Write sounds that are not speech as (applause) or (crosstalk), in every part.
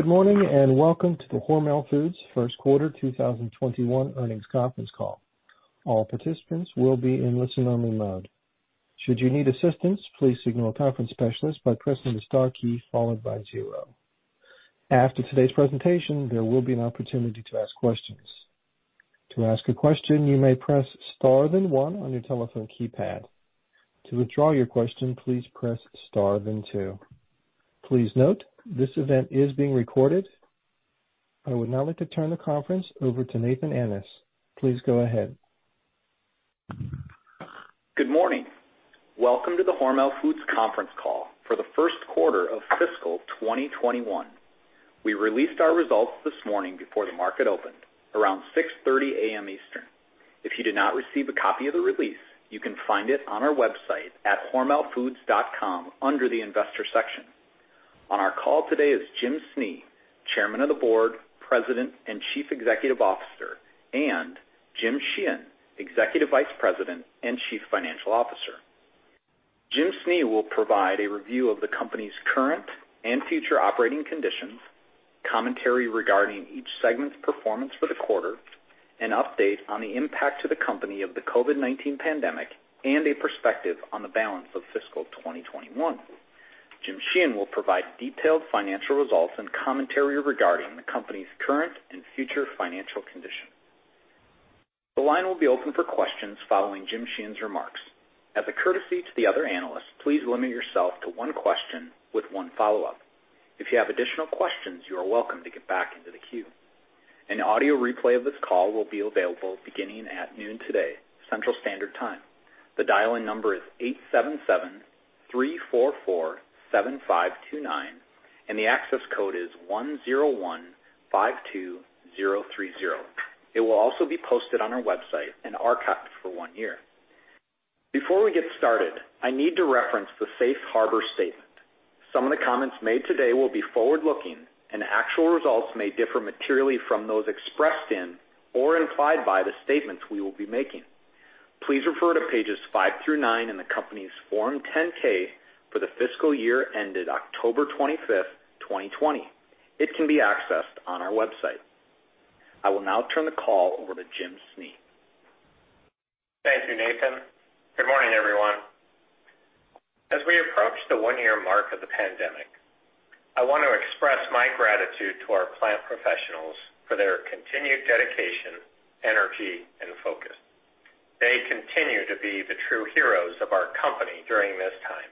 Good morning, and welcome to the Hormel Foods first quarter 2021 earnings conference call. All participants will be in a listen only mode. Should you need assistance, please (audio distortion) conference specialist by pressing star key followed by zero. After today's presentation, there will be an opportunity to ask questions. To ask a question, you may press star then one on your telephone keypad. To withdraw your question, pIease press star then two, please note that this event is being recorded. I will now turn the conference over to Nathan Annis. Please go ahead. Good morning. Welcome to the Hormel Foods conference call for the first quarter of fiscal 2021. We released our results this morning before the market opened, around 6:30 A.M. Eastern. If you did not receive a copy of the release, you can find it on our website at hormelfoods.com under the Investor section. On our call today is Jim Snee, Chairman of the Board, President, and Chief Executive Officer, and Jim Sheehan, Executive Vice President and Chief Financial Officer. Jim Snee will provide a review of the company's current and future operating conditions, commentary regarding each segment's performance for the quarter, an update on the impact to the company of the COVID-19 pandemic, and a perspective on the balance of fiscal 2021. Jim Sheehan will provide detailed financial results and commentary regarding the company's current and future financial condition. The line will be open for questions following Jim Sheehan's remarks. As a courtesy to the other analysts, please limit yourself to one question with one follow-up. If you have additional questions, you are welcome to get back into the queue. An audio replay of this call will be available beginning at noon today, Central Standard Time. The dial-in number is 877-344-7529, and the access code is 10152030. It will also be posted on our website and archived for one year. Before we get started, I need to reference the safe harbor statement. Some of the comments made today will be forward-looking, and actual results may differ materially from those expressed in or implied by the statements we will be making. Please refer to pages five through nine in the company's Form 10-K for the fiscal year ended October 25th, 2020. It can be accessed on our website. I will now turn the call over to Jim Snee. Thank you, Nathan. Good morning, everyone. As we approach the one-year mark of the pandemic, I want to express my gratitude to our plant professionals for their continued dedication, energy, and focus. They continue to be the true heroes of our company during this time.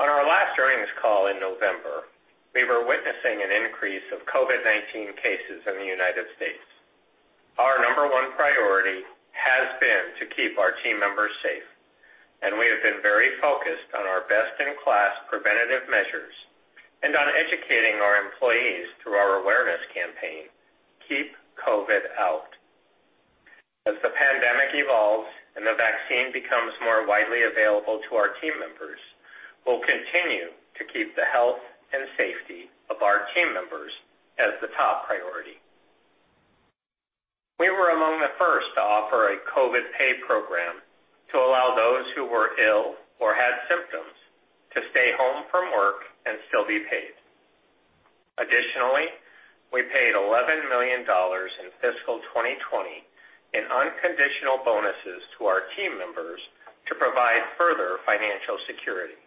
On our last earnings call in November, we were witnessing an increase of COVID-19 cases in the United States. Our number one priority has been to keep our team members safe, and we have been very focused on our best-in-class preventative measures and on educating our employees through our awareness campaign, Keep COVID Out. As the pandemic evolves and the vaccine becomes more widely available to our team members, we'll continue to keep the health and safety of our team members as the top priority. We were among the first to offer a COVID pay program to allow those who were ill or had symptoms to stay home from work and still be paid. Additionally, we paid $11 million in fiscal 2020 in unconditional bonuses to our team members to provide further financial security.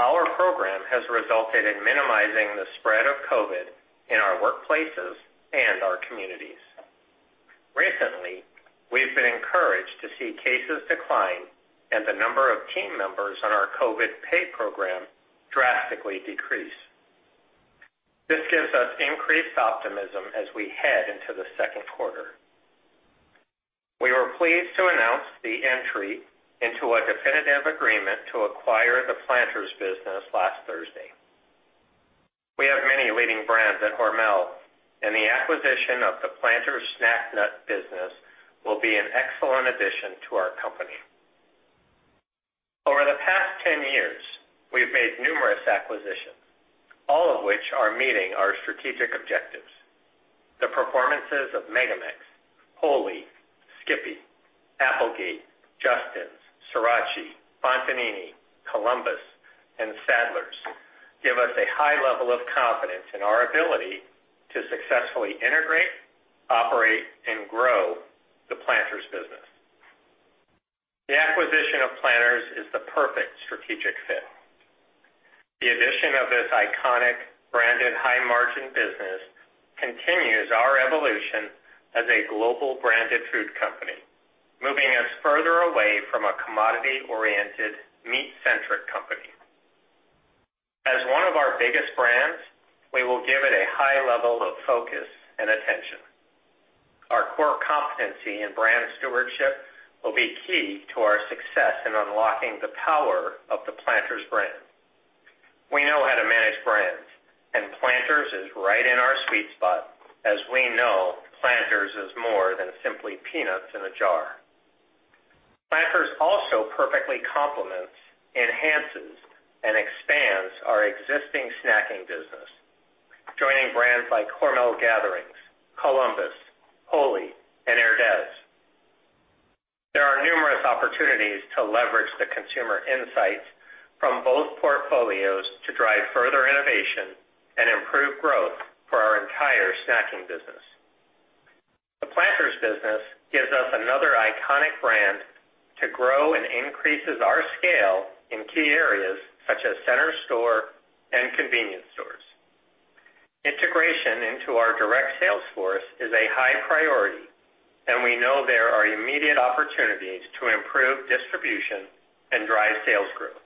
Our program has resulted in minimizing the spread of COVID in our workplaces and our communities. Recently, we've been encouraged to see cases decline and the number of team members on our COVID pay program drastically decrease. This gives us increased optimism as we head into the second quarter. We were pleased to announce the entry into a definitive agreement to acquire the Planters business last Thursday. We have many leading brands at Hormel, and the acquisition of the Planters snack nut business will be an excellent addition to our company. Over the past 10 years, we've made numerous acquisitions, all of which are meeting our strategic objectives. The performances of MegaMex, WHOLLY, SKIPPY, Applegate, Justin's, Ceratti, Fontanini, Columbus, and Sadler's give us a high level of confidence in our ability to successfully integrate, operate, and grow the Planters business. The acquisition of Planters is the perfect strategic fit. The addition of this iconic branded high-margin business continues our evolution as a global branded food company, moving us further away from a commodity-oriented, meat-centric company. As one of our biggest brands, we will give it a high level of focus and attention. Our core competency in brand stewardship will be key to our success in unlocking the power of the Planters brand. We know how to manage brands, and Planters is right in our sweet spot, as we know Planters is more than simply peanuts in a jar. Planters also perfectly complements, enhances, and expands our existing snacking business, joining brands like Hormel GATHERINGS, Columbus, WHOLLY, and. (inaudible) To leverage the consumer insights from both portfolios to drive further innovation and improve growth for our entire snacking business. The Planters business gives us another iconic brand to grow and increases our scale in key areas such as center store and convenience stores. Integration into our direct sales force is a high priority, and we know there are immediate opportunities to improve distribution and drive sales growth.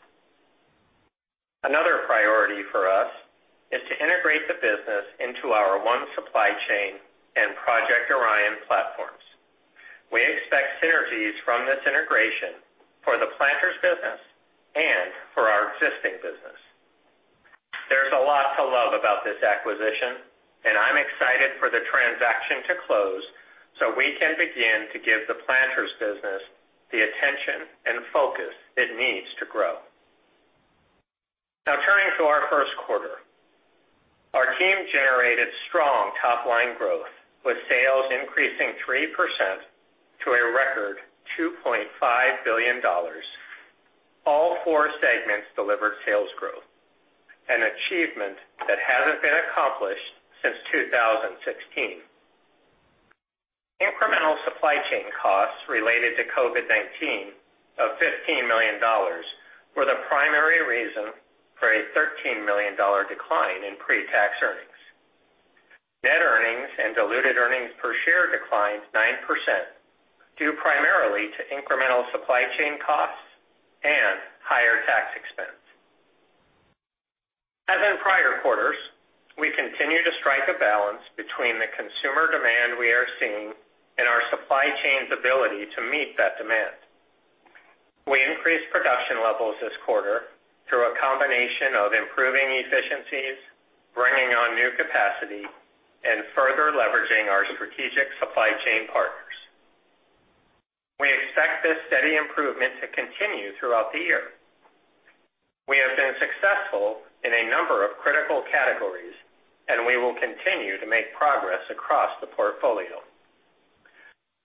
Another priority for us is to integrate the business into our One Supply Chain and Project Orion platforms. We expect synergies from this integration for the Planters business and for our existing business. There's a lot to love about this acquisition, I'm excited for the transaction to close so we can begin to give the Planters business the attention and focus it needs to grow. Now turning to our first quarter. Our team generated strong top-line growth, with sales increasing 3% to a record $2.5 billion. All four segments delivered sales growth, an achievement that hasn't been accomplished since 2016. Incremental supply chain costs related to COVID-19 of $15 million were the primary reason for a $13 million decline in pre-tax earnings. Net earnings and diluted earnings per share declined 9%, due primarily to incremental supply chain costs and higher tax expense. As in prior quarters, we continue to strike a balance between the consumer demand we are seeing and our supply chain's ability to meet that demand. We increased production levels this quarter through a combination of improving efficiencies, bringing on new capacity, and further leveraging our strategic supply chain partners. We expect this steady improvement to continue throughout the year. We have been successful in a number of critical categories, and we will continue to make progress across the portfolio.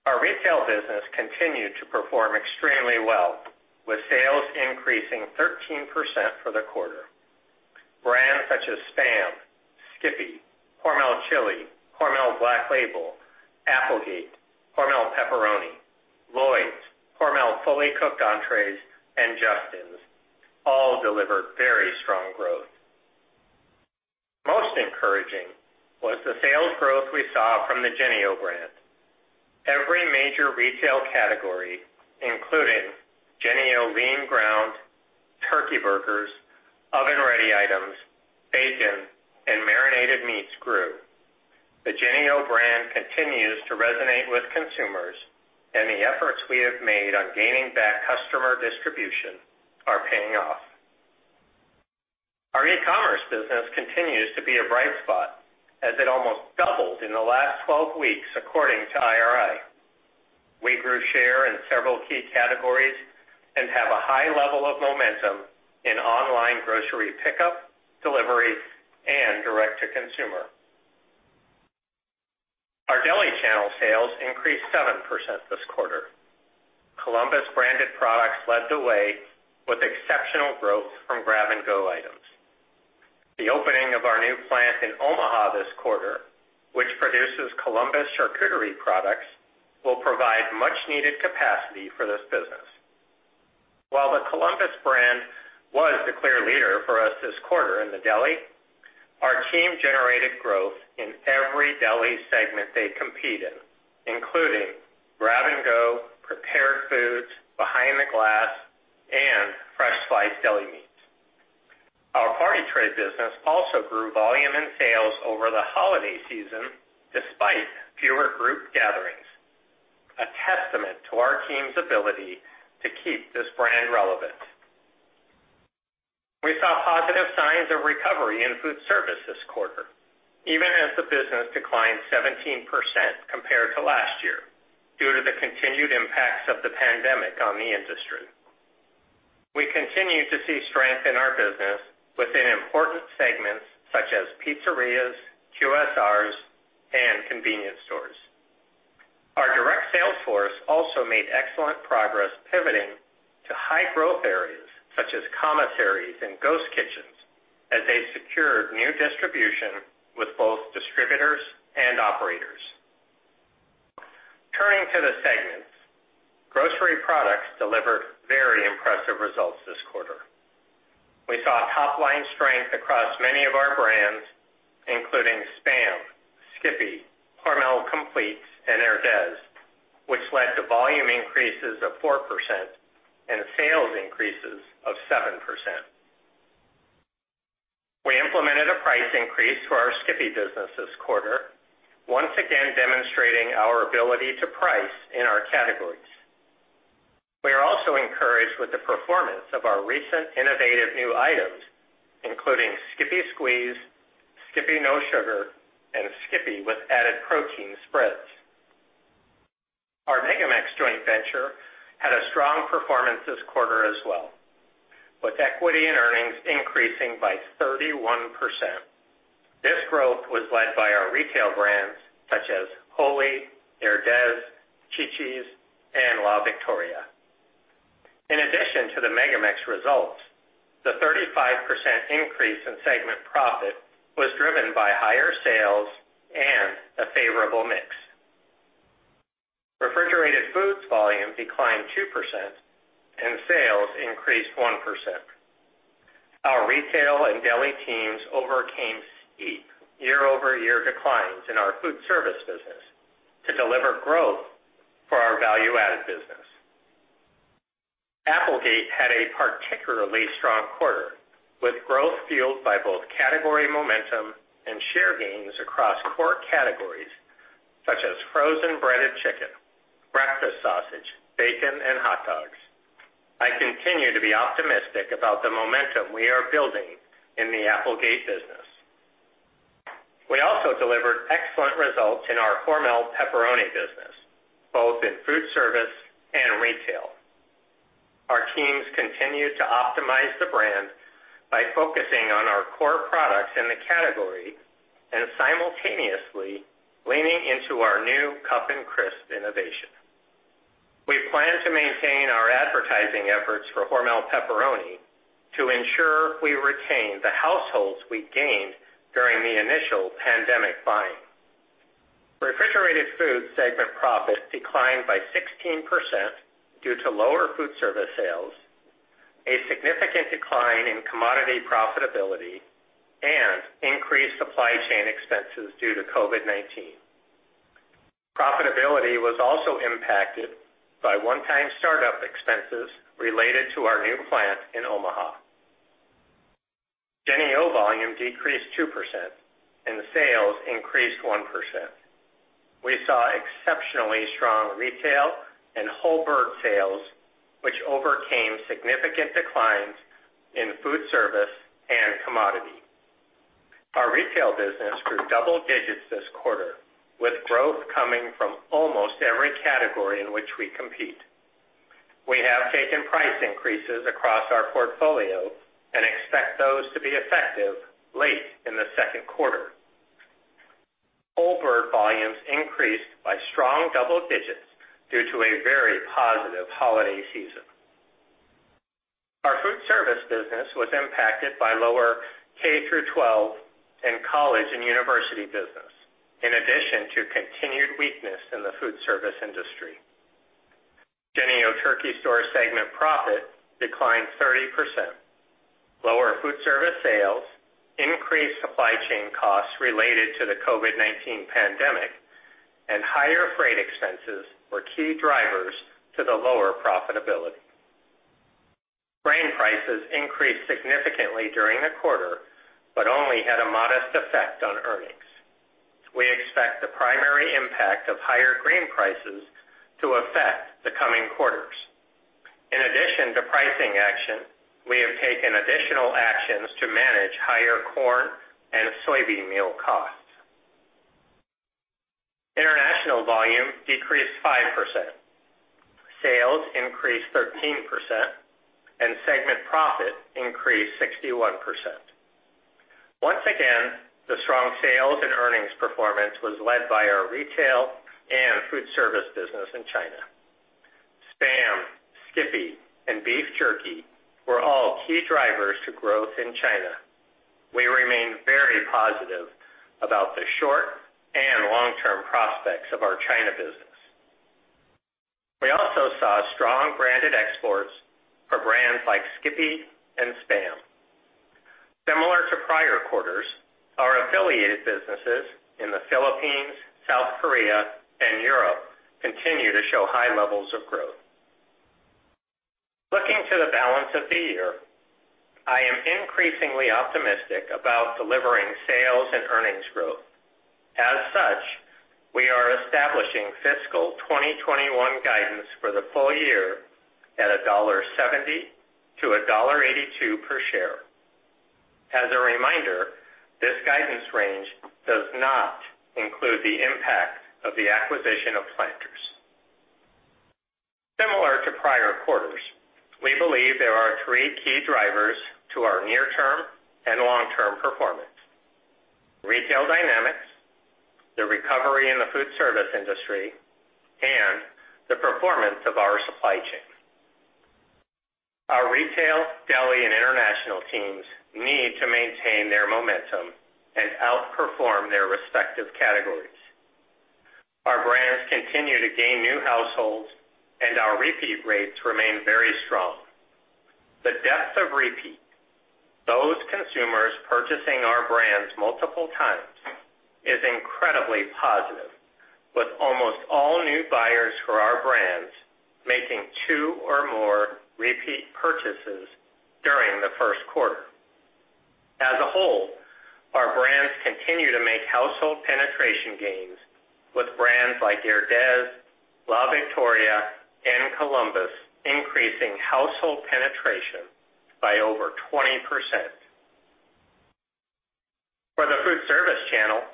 Our retail business continued to perform extremely well, with sales increasing 13% for the quarter. Brands such as SPAM, SKIPPY, Hormel Chili, Hormel Black Label, Applegate, Hormel Pepperoni, LLOYD'S, Hormel Fully Cooked Entrées, and Justin's all delivered very strong growth. Most encouraging was the sales growth we saw from the JENNIE-O brand. Every major retail category, including JENNIE-O lean ground turkey burgers, oven-ready items, bacon, and marinated meats grew. The JENNIE-O brand continues to resonate with consumers, and the efforts we have made on gaining back customer distribution are paying off. Our e-commerce business continues to be a bright spot, as it almost doubled in the last 12 weeks, according to IRI. We grew share in several key categories and have a high level of momentum in online grocery pickup, delivery, and direct-to-consumer. Our deli channel sales increased 7% this quarter. Columbus branded products led the way with exceptional growth from grab-and-go items. The opening of our new plant in Omaha this quarter, which produces Columbus charcuterie products, will provide much needed capacity for this business. While the Columbus brand was the clear leader for us this quarter in the deli, our team generated growth in every deli segment they compete in, including grab-and-go, prepared foods, behind the glass, and fresh sliced deli meats. Our party tray business also grew volume and sales over the holiday season despite fewer group gatherings, a testament to our team's ability to keep this brand relevant. We saw positive signs of recovery in food service this quarter, even as the business declined 17% compared to last year due to the continued impacts of the pandemic on the industry. We continue to see strength in our business within important segments such as pizzerias, QSRs, and convenience stores. Our direct sales force also made excellent progress pivoting to high growth areas such as commissaries and ghost kitchens as they secured new distribution with both distributors and operators. Turning to the segments. Grocery products delivered very impressive results this quarter. We saw top-line strength across many of our brands, including SPAM, SKIPPY, Hormel Compleats, and Herdez, which led to volume increases of 4% and sales increases of 7%. We implemented a price increase to our SKIPPY business this quarter, once again demonstrating our ability to price in our categories. We are also encouraged with the performance of our recent innovative new items, including SKIPPY Squeeze, SKIPPY No Sugar, and SKIPPY with Added Protein spreads. Our MegaMex joint venture had a strong performance this quarter as well, with equity and earnings increasing by 31%. It was led by our retail brands such as WHOLLY, Herdez, Chi-Chi's, and La Victoria. In addition to the MegaMex results, the 35% increase in segment profit was driven by higher sales and a favorable mix. Refrigerated foods volume declined 2% and sales increased 1%. Our retail and deli teams overcame steep year-over-year declines in our food service business to deliver growth for our value-added business. Applegate had a particularly strong quarter, with growth fueled by both category momentum and share gains across core categories such as frozen breaded chicken, breakfast sausage, bacon, and hot dogs. I continue to be optimistic about the momentum we are building in the Applegate business. We also delivered excellent results in our Hormel pepperoni business, both in food service and retail. Our teams continue to optimize the brand by focusing on our core products in the category and simultaneously leaning into our new Cup N' Crisp innovation. We plan to maintain our advertising efforts for Hormel pepperoni to ensure we retain the households we gained during the initial pandemic buying. Refrigerated Food segment profit declined by 16% due to lower food service sales, a significant decline in commodity profitability, and increased supply chain expenses due to COVID-19. Profitability was also impacted by one-time startup expenses related to our new plant in Omaha. JENNIE-O volume decreased 2% and sales increased 1%. We saw exceptionally strong retail and whole bird sales, which overcame significant declines in food service and commodity. Our retail business grew double digits this quarter, with growth coming from almost every category in which we compete. We have taken price increases across our portfolio and expect those to be effective late in the second quarter. Whole bird volumes increased by strong double digits due to a very positive holiday season. Our food service business was impacted by lower K through 12 and college and university business, in addition to continued weakness in the food service industry. JENNIE-O Turkey Store segment profit declined 30%. Lower food service sales, increased supply chain costs related to the COVID-19 pandemic, and higher freight expenses were key drivers to the lower profitability. Grain prices increased significantly during the quarter, but only had a modest effect on earnings. We expect the primary impact of higher grain prices to affect the coming quarters. In addition to pricing action, we have taken additional actions to manage higher corn and soybean meal costs. International volume decreased 5%, sales increased 13%, and segment profit increased 61%. Once again, the strong sales and earnings performance was led by our retail and food service business in China. SPAM, SKIPPY, and beef jerky were all key drivers to growth in China. We remain very positive about the short and long-term prospects of our China business. We also saw strong branded exports for brands like SKIPPY and SPAM. Similar to prior quarters, our affiliated businesses in the Philippines, South Korea, and Europe continue to show high levels of growth. Looking to the balance of the year, I am increasingly optimistic about delivering sales and earnings growth. As such, we are establishing fiscal 2021 guidance for the full year at $1.70-$1.82 per share. As a reminder, this guidance range does not include the impact of the acquisition of Planters. Similar to prior quarters, we believe there are three key drivers to our near-term and long-term performance. Retail dynamics, the recovery in the food service industry, and the performance of our supply chain. Our retail, deli, and international teams need to maintain their momentum and outperform their respective categories. Our brands continue to gain new households, and our repeat rates remain very strong. The depth of repeat, those consumers purchasing our brands multiple times, is incredibly positive, with almost all new buyers for our brands making two or more repeat purchases during the first quarter. As a whole, our brands continue to make household penetration gains with brands like Herdez, La Victoria, and Columbus increasing household penetration by over 20%. For the food service channel,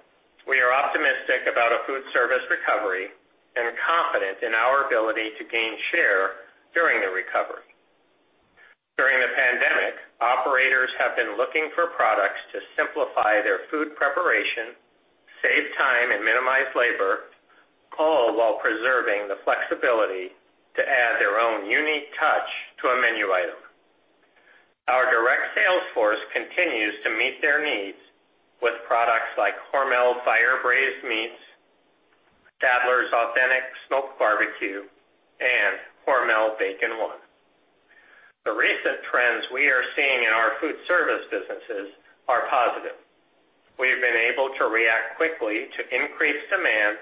we are optimistic about a food service recovery and confident in our ability to gain share during the recovery. During the pandemic, operators have been looking for products to simplify their food preparation, save time, and minimize labor, all while preserving the flexibility to add their own unique touch to a menu item. Our direct sales force continues to meet their needs with products like Hormel Fire Braised Meats, Sadler's Authentic Smoked Barbecue, and Hormel Bacon 1. The recent trends we are seeing in our food service businesses are positive. We have been able to react quickly to increased demand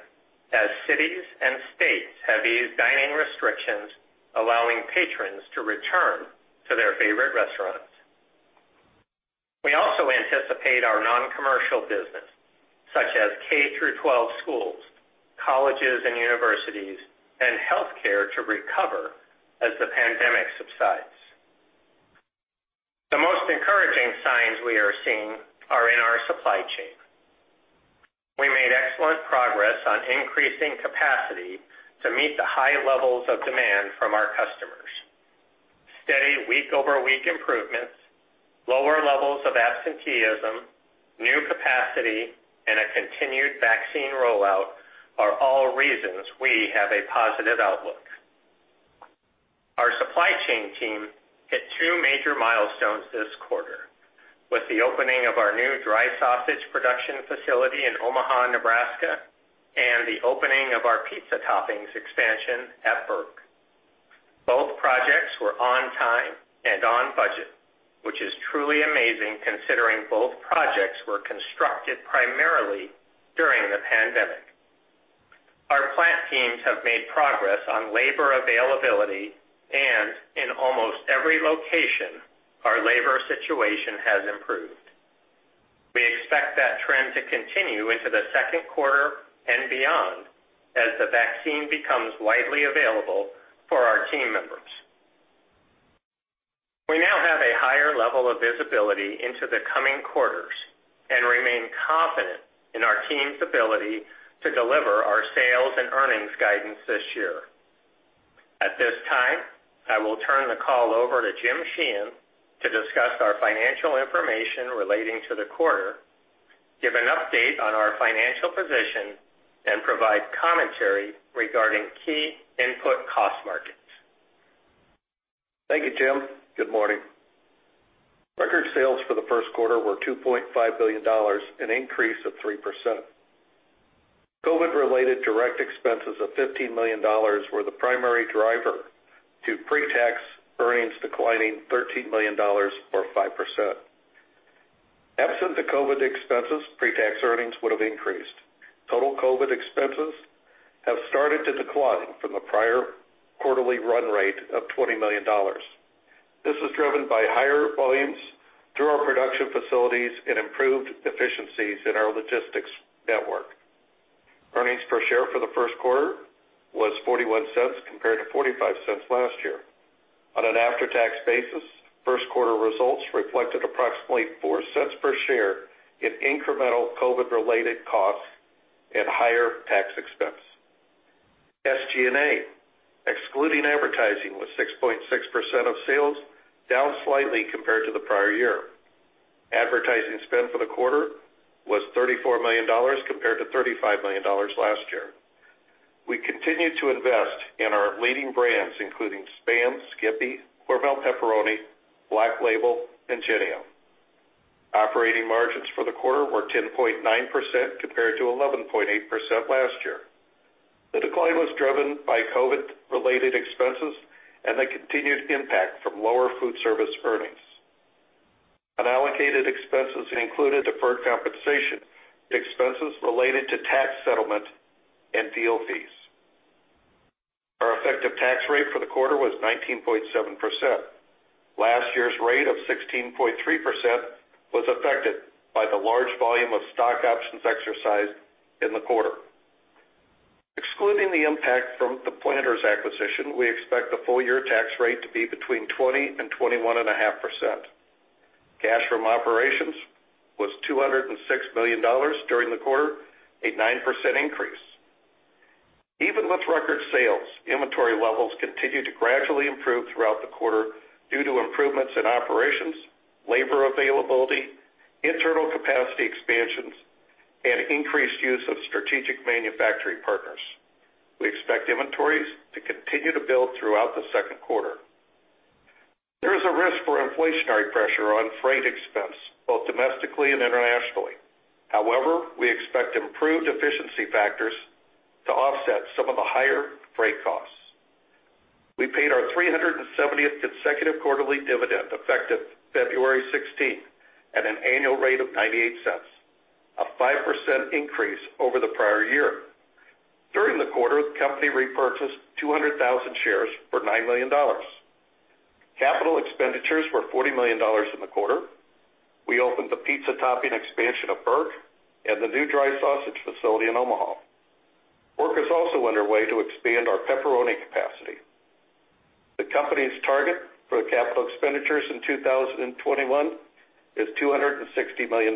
as cities and states have eased dining restrictions, allowing patrons to return to their favorite restaurants. We also anticipate our non-commercial business, such as K through 12 schools, colleges and universities, and healthcare to recover as the pandemic subsides. The most encouraging signs we are seeing are in our supply chain. We made excellent progress on increasing capacity to meet the high levels of demand from our customers. Steady week-over-week improvements, lower levels of absenteeism, new capacity, and a continued vaccine rollout are all reasons we have a positive outlook. Our supply chain team hit two major milestones this quarter, with the opening of our new dry sausage production facility in Omaha, Nebraska, and the opening of our pizza toppings expansion at Burke. Both projects were on time and on budget, which is truly amazing considering both projects were constructed primarily during the pandemic. Our plant teams have made progress on labor availability, and in almost every location, our labor situation has improved. We expect that trend to continue into the second quarter and beyond as the vaccine becomes widely available for our team members. We now have a higher level of visibility into the coming quarters and remain confident in our team's ability to deliver our sales and earnings guidance this year. At this time, I will turn the call over to Jim Sheehan to discuss our financial information relating to the quarter, give an update on our financial position, and provide commentary regarding key input cost markets. Thank you, Jim. Good morning. Record sales for the first quarter were $2.5 billion, an increase of 3%. COVID-related direct expenses of $15 million were the primary driver to pre-tax earnings declining $13 million or 5%. Absent the COVID expenses, pre-tax earnings would have increased. Total COVID expenses have started to decline from the prior quarterly run rate of $20 million. This is driven by higher volumes through our production facilities and improved efficiencies in our logistics network. Earnings per share for the first quarter was $0.41 compared to $0.45 last year. On an after-tax basis, first quarter results reflected approximately $0.04 per share in incremental COVID-related costs and higher tax expense. SG&A, excluding advertising, was 6.6% of sales, down slightly compared to the prior year. Advertising spend for the quarter was $34 million compared to $35 million last year. We continue to invest in our leading brands, including SPAM, Skippy, Hormel Pepperoni, Black Label, and JENNIE-O. Operating margins for the quarter were 10.9% compared to 11.8% last year. The decline was driven by COVID-related expenses and the continued impact from lower foodservice earnings. Unallocated expenses included deferred compensation, expenses related to tax settlement, and deal fees. Our effective tax rate for the quarter was 19.7%. Last year's rate of 16.3% was affected by the large volume of stock options exercised in the quarter. Excluding the impact from the Planters acquisition, we expect the full-year tax rate to be between 20% and 21.5%. Cash from operations was $206 million during the quarter, a 9% increase. Even with record sales, inventory levels continued to gradually improve throughout the quarter due to improvements in operations, labor availability, internal capacity expansions, and increased use of strategic manufacturing partners. We expect inventories to continue to build throughout the second quarter. There is a risk for inflationary pressure on freight expense, both domestically and internationally. However, we expect improved efficiency factors to offset some of the higher freight costs. We paid our 370th consecutive quarterly dividend effective February 16th at an annual rate of $0.98, a 5% increase over the prior year. During the quarter, the company repurchased 200,000 shares for $9 million. Capital expenditures were $40 million in the quarter. We opened the pizza topping expansion of Burke and the new dry sausage facility in Omaha. Work is also underway to expand our pepperoni capacity. The company's target for capital expenditures in 2021 is $260 million.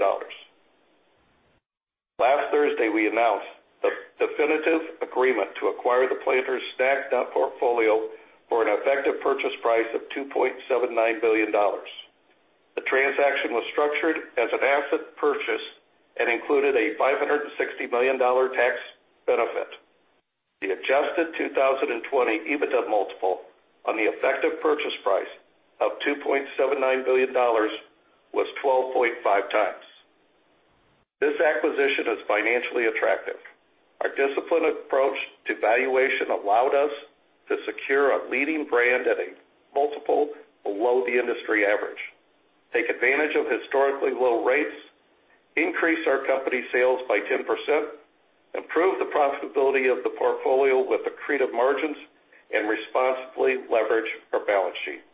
Last Thursday, we announced the definitive agreement to acquire the Planters snack nut portfolio for an effective purchase price of $2.79 billion. The transaction was structured as an asset purchase and included a $560 million tax benefit. The adjusted 2020 EBITDA multiple on the effective purchase price of $2.79 billion was 12.5x. This acquisition is financially attractive. Our disciplined approach to valuation allowed us to secure a leading brand at a multiple below the industry average, take advantage of historically low rates, increase our company sales by 10%, improve the profitability of the portfolio with accretive margins, and responsibly leverage our balance sheet.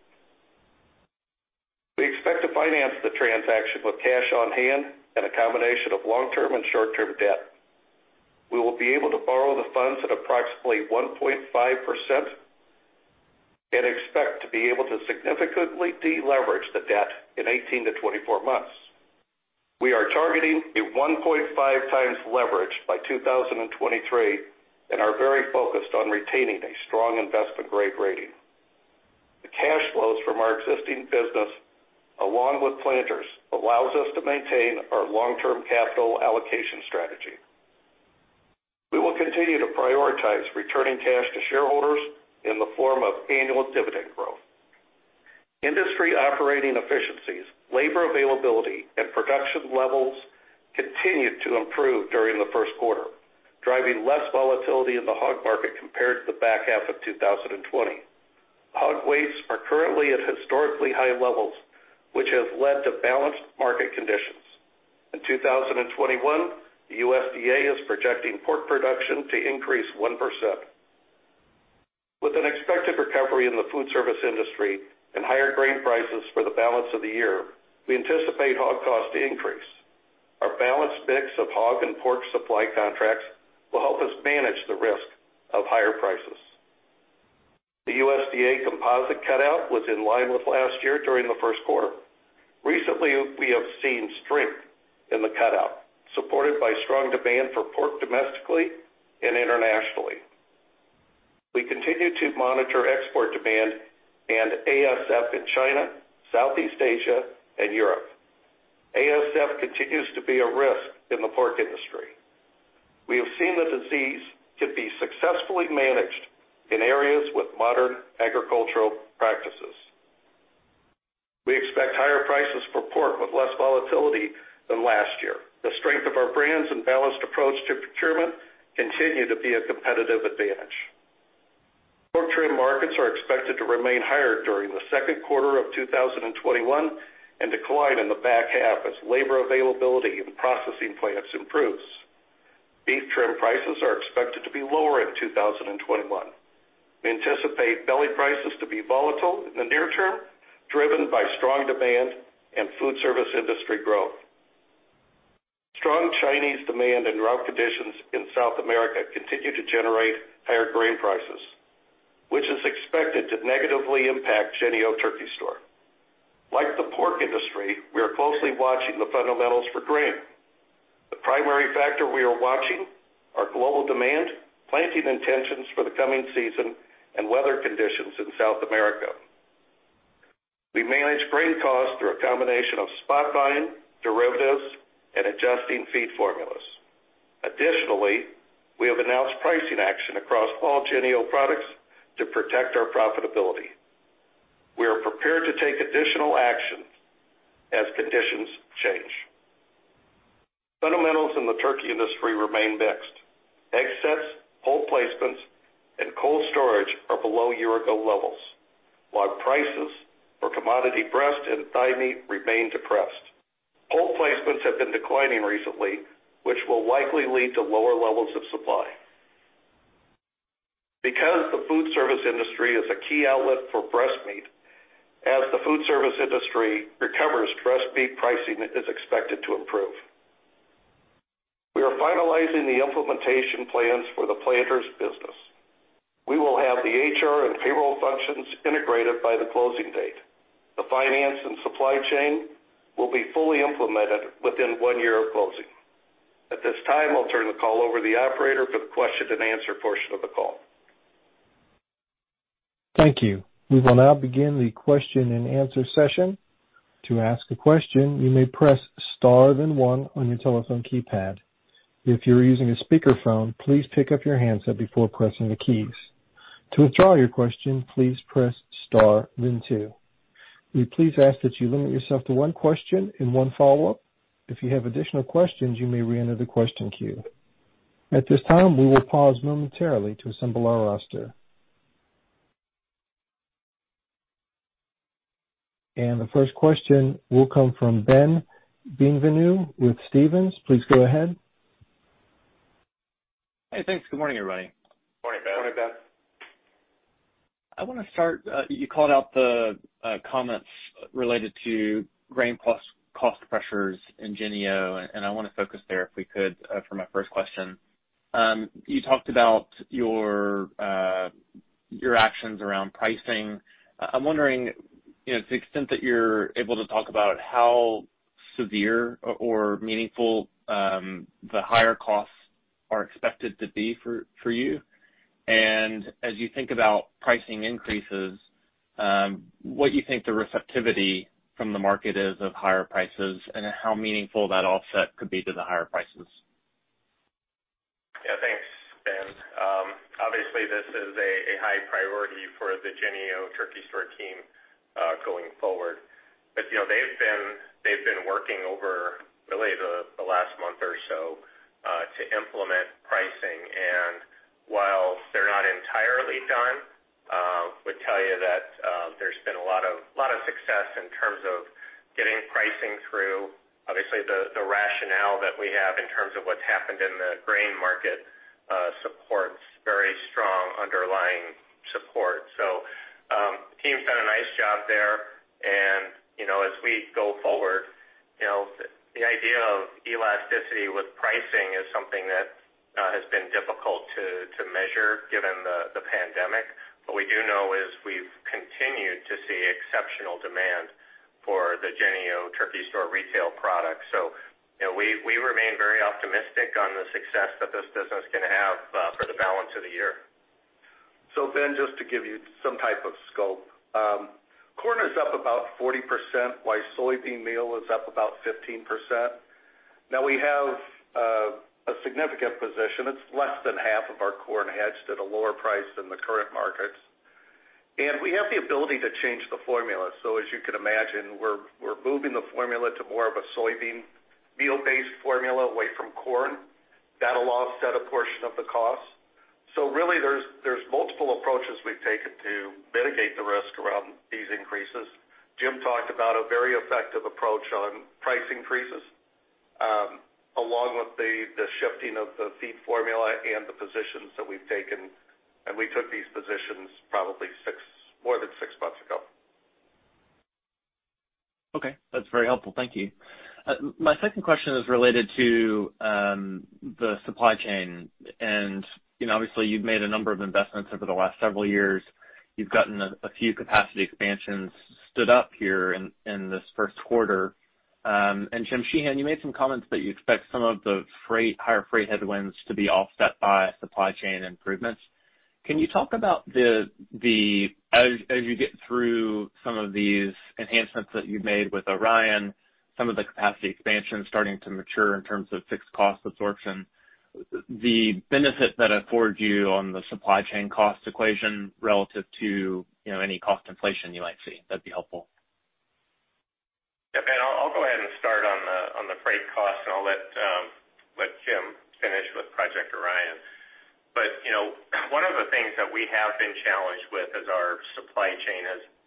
We expect to finance the transaction with cash on hand and a combination of long-term and short-term debt. We will be able to borrow the funds at approximately 1.5% and expect to be able to significantly deleverage the debt in 18-24 months. We are targeting a 1.5x leverage by 2023 and are very focused on retaining a strong investment-grade rating. The cash flows from our existing business, along with Planters, allows us to maintain our long-term capital allocation strategy. We will continue to prioritize returning cash to shareholders in the form of annual dividend growth. Industry operating efficiencies, labor availability, and production levels continued to improve during the first quarter, driving less volatility in the hog market compared to the back half of 2020. Hog weights are currently at historically high levels, which has led to balanced market conditions. In 2021, the USDA is projecting pork production to increase 1%. With an expected recovery in the food service industry and higher grain prices for the balance of the year, we anticipate hog cost to increase. Our balanced mix of hog and pork supply contracts will help us manage the risk of higher prices. The USDA composite cutout was in line with last year during the first quarter. Recently, we have seen strength in the cutout, supported by strong demand for pork domestically and internationally. We continue to monitor export demand and ASF in China, Southeast Asia, and Europe. ASF continues to be a risk in the pork industry. We have seen the disease to be successfully managed in areas with modern agricultural practices. We expect higher prices for pork with less volatility than last year. The strength of our brands and balanced approach to procurement continue to be a competitive advantage. Pork trim markets are expected to remain higher during the second quarter of 2021 and decline in the back half as labor availability in processing plants improves. Beef trim prices are expected to be lower in 2021. We anticipate belly prices to be volatile in the near term, driven by strong demand and food service industry growth. Strong Chinese demand and drought conditions in South America continue to generate higher grain prices, which is expected to negatively impact JENNIE-O Turkey Store. Like the pork industry, we are closely watching the fundamentals for grain. The primary factor we are watching are global demand, planting intentions for the coming season, and weather conditions in South America. We manage grain costs through a combination of spot buying, derivatives, and adjusting feed formulas. Additionally, we have announced pricing action across all JENNIE-O products to protect our profitability. We are prepared to take additional action as conditions change. Fundamentals in the turkey industry remain mixed. Egg sets, poult placements, and cold storage are below year-ago levels, while prices for commodity breast and thigh meat remain depressed. Poult placements have been declining recently, which will likely lead to lower levels of supply. Because the food service industry is a key outlet for breast meat, as the food service industry recovers, breast meat pricing is expected to improve. We are finalizing the implementation plans for the Planters business. We will have the HR and payroll functions integrated by the closing date. The finance and supply chain will be fully implemented within one year of closing. At this time, I'll turn the call over to the operator for the question and answer portion of the call. Thank you. We will now begin the question and answer session. To ask a question, you may press star then one with your telephone keypad. If you're using a speakerphone, please pick up your handset before pressing the keys. To withdraw your question, please press star then two. We please ask that you limit yourself to one question and one follow-up. If you have additional questions, you may reenter the question queue. At this time we will pause momentarily to assemble our roster. The first question will come from Ben Bienvenu with Stephens. Please go ahead. Hey, thanks. Good morning, everybody. Morning, Ben. Morning, Ben. I want to start, you called out the comments related to grain cost pressures in JENNIE-O, and I want to focus there, if we could, for my first question. You talked about your actions around pricing. I'm wondering, to the extent that you're able to talk about how severe or meaningful the higher costs are expected to be for you. As you think about pricing increases, what you think the receptivity from the market is of higher prices and how meaningful that offset could be to the higher prices. Thanks, Ben. Obviously, this is a high priority for the JENNIE-O Turkey Store team, going forward. They've been working over, really, the last month or so to implement pricing. While they're not entirely done, would tell you that there's been a lot of success in terms of getting pricing through. Obviously, the rationale that we have in terms of what's happened in the grain market supports very strong underlying support. The team's done a nice job there. As we go forward, the idea of elasticity with pricing is something that has been difficult to measure given the pandemic. What we do know is we've continued to see exceptional demand for the JENNIE-O Turkey Store retail product. We remain very optimistic on the success that this business is going to have for the balance of the year. Ben, just to give you some type of scope. Corn is up about 40%, while soybean meal is up about 15%. We have a significant position. It's less than half of our corn hedged at a lower price than the current markets. We have the ability to change the formula. As you can imagine, we're moving the formula to more of a soybean meal-based formula away from corn. That'll offset a portion of the cost. Really there's multiple approaches we've taken to mitigate the risk around these increases. Jim talked about a very effective approach on price increases, along with the shifting of the feed formula and the positions that we've taken. We took these positions probably more than six months ago. Okay. That's very helpful. Thank you. My second question is related to the supply chain. Obviously, you've made a number of investments over the last several years. You've gotten a few capacity expansions stood up here in this first quarter. Jim Sheehan, you made some comments that you expect some of the higher freight headwinds to be offset by supply chain improvements. Can you talk about the, as you get through some of these enhancements that you've made with Orion, some of the capacity expansion starting to mature in terms of fixed cost absorption, the benefit that affords you on the supply chain cost equation relative to any cost inflation you might see? That'd be helpful. Yeah, Ben, I'll go ahead and start on the freight cost, and I'll let Jim finish with Project Orion. One of the things that we have been challenged with as our supply chain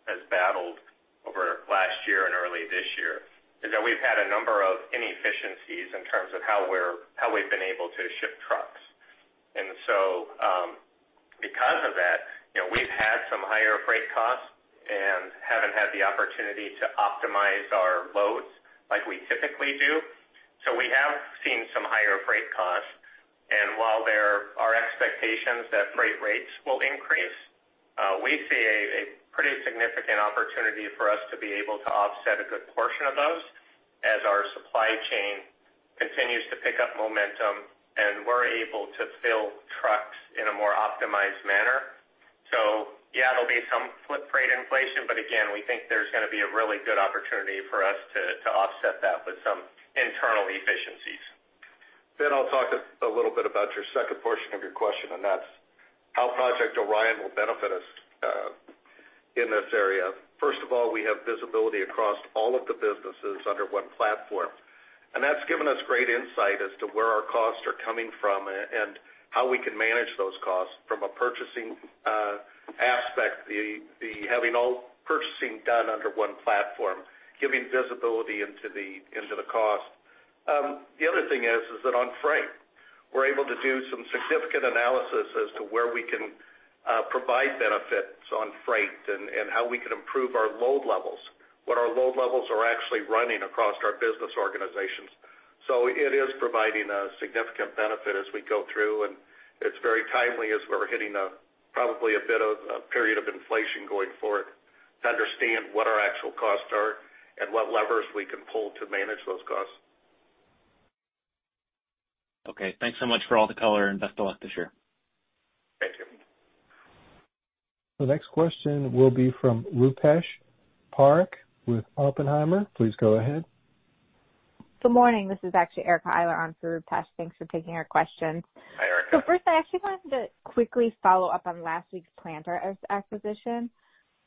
has battled over last year and early this year is that we've had a number of inefficiencies in terms of how we've been able to ship trucks. Because of that, we've had some higher freight costs and haven't had the opportunity to optimize our loads like we typically do. We have seen some higher freight costs. While there are expectations that freight rates will increase, we see a pretty significant opportunity for us to be able to offset a good portion of those as our supply chain continues to pick up momentum and we're able to fill trucks in a more optimized manner. Yeah, there'll be some flip freight inflation, but again, we think there's going to be a really good opportunity for us to offset that with some internal efficiencies. I'll talk a little bit about your second portion of your question, and that's how Project Orion will benefit us in this area. First of all, we have visibility across all of the businesses under one platform, and that's given us great insight as to where our costs are coming from and how we can manage those costs from a purchasing aspect, the having all purchasing done under one platform, giving visibility into the cost. The other thing is that on freight, we're able to do some significant analysis as to where we can provide benefits on freight and how we can improve our load levels, what our load levels are actually running across our business organizations. It is providing a significant benefit as we go through, and it's very timely as we're hitting probably a bit of a period of inflation going forward to understand what our actual costs are and what levers we can pull to manage those costs. Okay. Thanks so much for all the color and best of luck this year. Thank you. The next question will be from Rupesh Parekh with Oppenheimer. Please go ahead. Good morning. This is actually Erica Eiler on for Rupesh. Thanks for taking our questions. Hi, Erica. First, I actually wanted to quickly follow up on last week's Planters acquisition.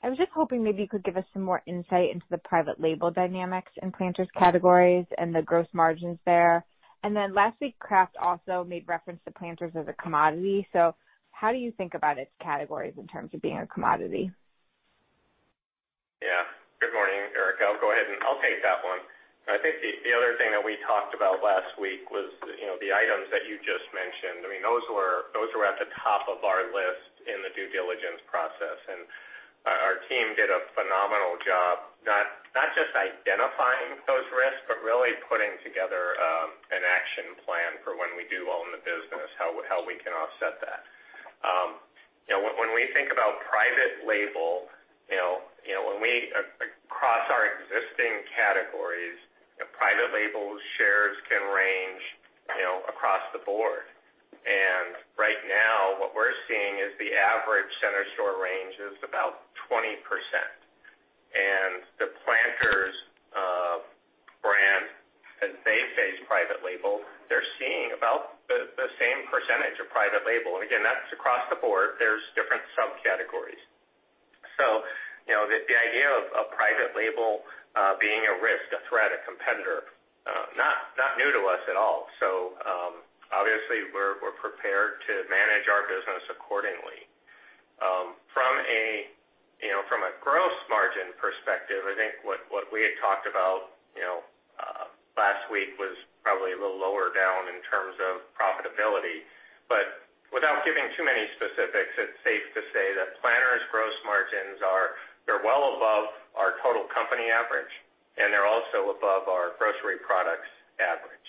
I was just hoping maybe you could give us some more insight into the private label dynamics in Planters categories and the gross margins there. Last week, Kraft also made reference to Planters as a commodity. How do you think about its categories in terms of being a commodity? Yeah. Good morning, Erica. I'll go ahead and I'll take that one. I think the other thing that we talked about last week was the items that you just mentioned. I mean, those were at the top of our list in the due diligence process. Our team did a phenomenal job, not just identifying those risks, but really putting together an action plan for when we do own the business, how we can offset that. When we think about private label, across our existing categories, private label shares can range across the board. Right now, what we're seeing is the average center store range is about 20%. The Planters brand, as they face private label, they're seeing about the same percentage of private label. Again, that's across the board. There's different subcategories. The idea of a private label being a risk, a threat, a competitor, not new to us at all. Obviously, we're prepared to manage our business accordingly. From a gross margin perspective, I think what we had talked about last week was probably a little lower down in terms of profitability. Without giving too many specifics, it's safe to say that Planters' gross margins are well above our total company average, and they're also above our grocery products average.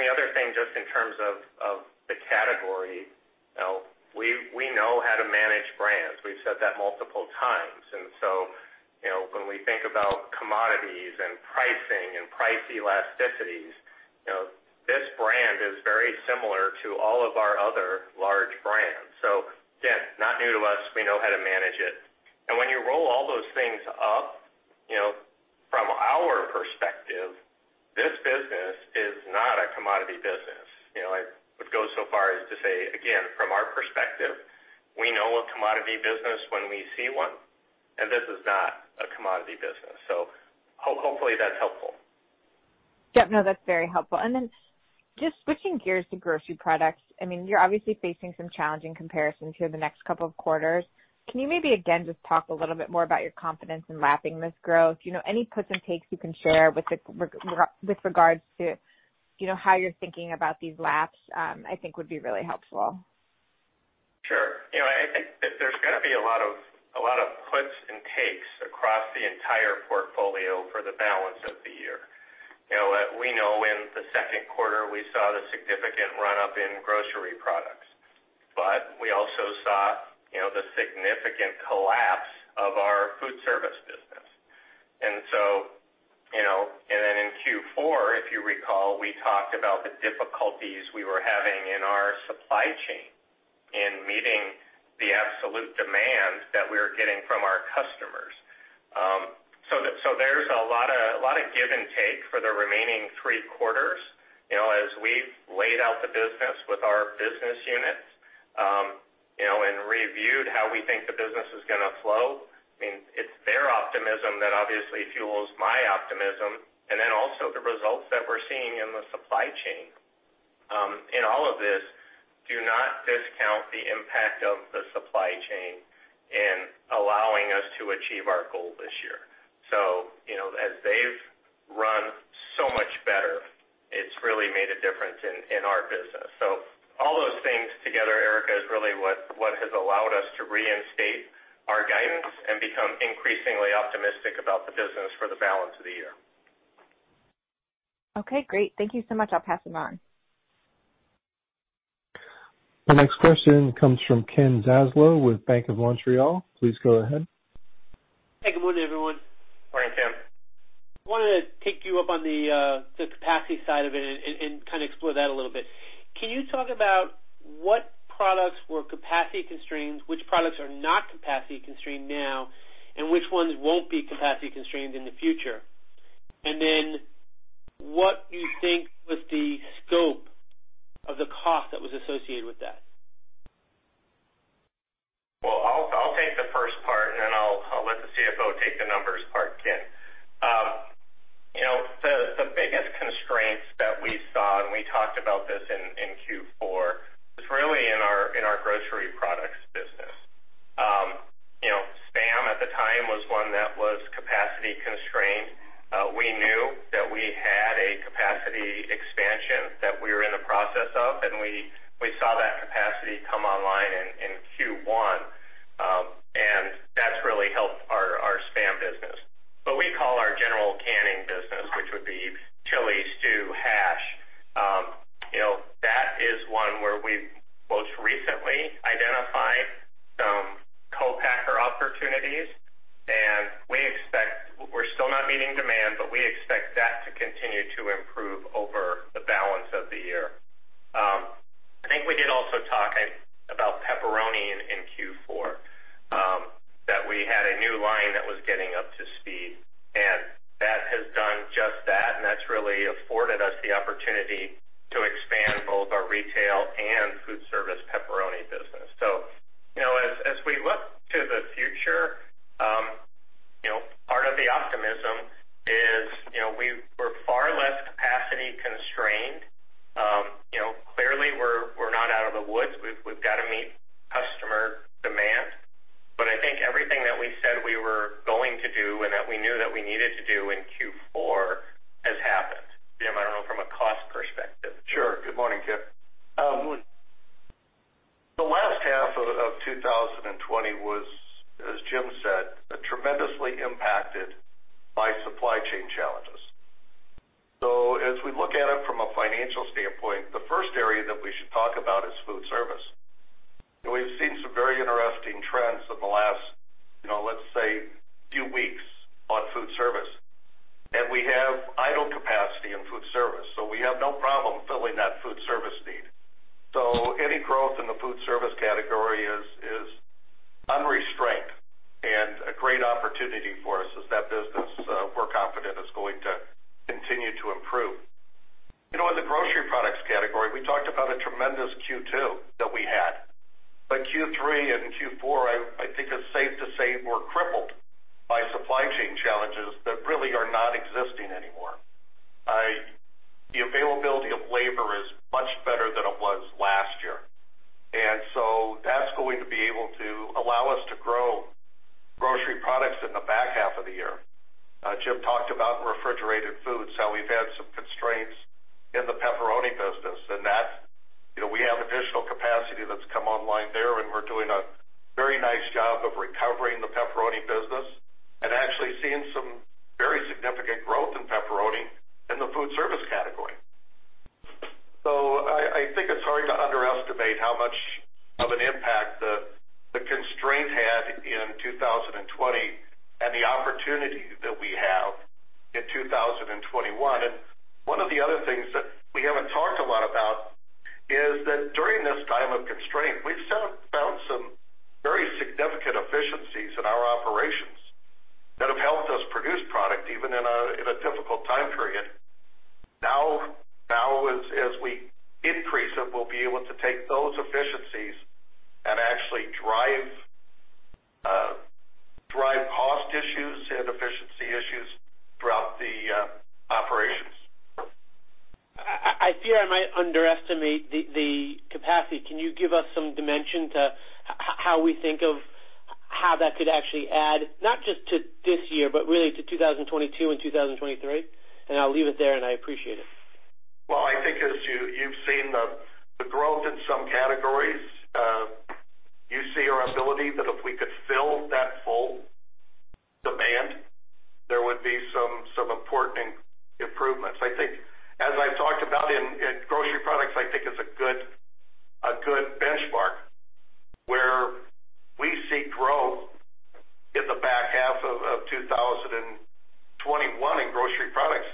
The other thing, just in terms of the category, we know how to manage brands. We've said that multiple times. When we think about commodities and pricing and price elasticities, this brand is very similar to all of our other large brands. Again, not new to us. We know how to manage it. When you roll all those things up, from our perspective, this business is not a commodity business. I would go so far as to say, again, from our perspective, we know a commodity business when we see one, and this is not a commodity business. Hopefully that's helpful. Yep, no, that's very helpful. Just switching gears to grocery products, you're obviously facing some challenging comparisons here the next couple of quarters. Can you maybe, again, just talk a little bit more about your confidence in lapping this growth? Any puts and takes you can share with regards to how you're thinking about these laps, I think, would be really helpful. Sure. I think that there's going to be a lot of puts and takes across the entire portfolio for the balance of the year. We know in the second quarter, we saw the significant run-up in grocery products, but we also saw the significant collapse of our food service business. In Q4, if you recall, we talked about the difficulties we were having in our supply chain in meeting the absolute demand that we were getting from our customers. There's a lot of give and take for the remaining three quarters. As we've laid out the business with our business units, and reviewed how we think the business is going to flow, it's their optimism that obviously fuels my optimism, and then also the results that we're seeing in the supply chain. In all of this, do not discount the impact of the supply chain in allowing us to achieve our goal this year. As they've run so much better, it's really made a difference in our business. All those things together, Erica, is really what has allowed us to reinstate our guidance and become increasingly optimistic about the business for the balance of the year. Okay, great. Thank you so much. I'll pass it on. The next question comes from Ken Zaslow with Bank of Montreal. Please go ahead. Hey, good morning, everyone. Morning, Ken. Wanted to take you up on the capacity side of it and kind of explore that a little bit. Can you talk about what products were capacity constrained, which products are not capacity constrained now, and which ones won't be capacity constrained in the future? What you think was the scope of the cost that was associated with that? Well, I'll take the first part, and then I'll let the CFO take the numbers part, Ken. The biggest constraints that we saw, and we talked about this in Q4, was really in our grocery products business. SPAM at the time was one that was capacity constrained. We knew that we had a capacity expansion that we were in the process of. We saw that capacity come online in Q1. That's really helped our SPAM business. What we call our general canning business, which would be chili, stew, hash, that is one where we've most recently identified some co-packer opportunities. We're still not meeting demand. We expect that to continue to improve over the balance of the year. I think we did also talk about pepperoni in Q4, that we had a new line that was getting up to speed, and that has done just that, and that's really afforded us the opportunity to expand both our retail and foodservice pepperoni business. As we look to the future, part of the optimism is we're far less capacity constrained. Clearly, we're not out of the woods. We've got to meet customer demand. I think everything that we said we were going to do and that we knew that we needed to do in Q4 has happened. Jim, I don't know, from a cost perspective. Sure. Good morning, Ken. Good morning. The last half of about 2020 was, as Jim said, tremendously impacted by supply chain challenges. As we look at it from a financial standpoint, the first area that we should talk about is food service. We've seen some very interesting trends in the last, let's say, few weeks on food service. We have idle capacity in food service, so we have no problem filling that food service need. Any growth in the food service category is unrestrained and a great opportunity for us as that business, we're confident, is going to continue to improve. In the grocery products category, we talked about a tremendous Q2 that we had. For Q3 and Q4, I think it's safe to say, were crippled by supply chain challenges that really are non-existing anymore. The availability of labor is much better than it was last year. That's going to be able to allow us to grow grocery products in the back half of the year. Jim talked about refrigerated foods, how we've had some constraints in the pepperoni business, and that we have additional capacity that's come online there, and we're doing a very nice job of recovering the pepperoni business and actually seeing some very significant growth in pepperoni in the food service category. I think it's hard to underestimate how much of an impact the constraint had in 2020 and the opportunity that we have in 2021. One of the other things that we haven't talked a lot about is that during this time of constraint, we've found some very significant efficiencies in our operations that have helped us produce product even in a difficult time period. Now, as we increase it, we'll be able to take those efficiencies and actually drive cost issues and efficiency issues throughout the operations. I fear I might underestimate the capacity. Can you give us some dimension to how we think of how that could actually add, not just to this year, but really to 2022 and 2023? I'll leave it there, and I appreciate it. Well, I think as you've seen the growth in some categories, you see our ability that if we could fill that full demand, there would be some important improvements. I think as I've talked about in grocery products, I think it's a good benchmark where we see growth in the back half of 2021 in grocery products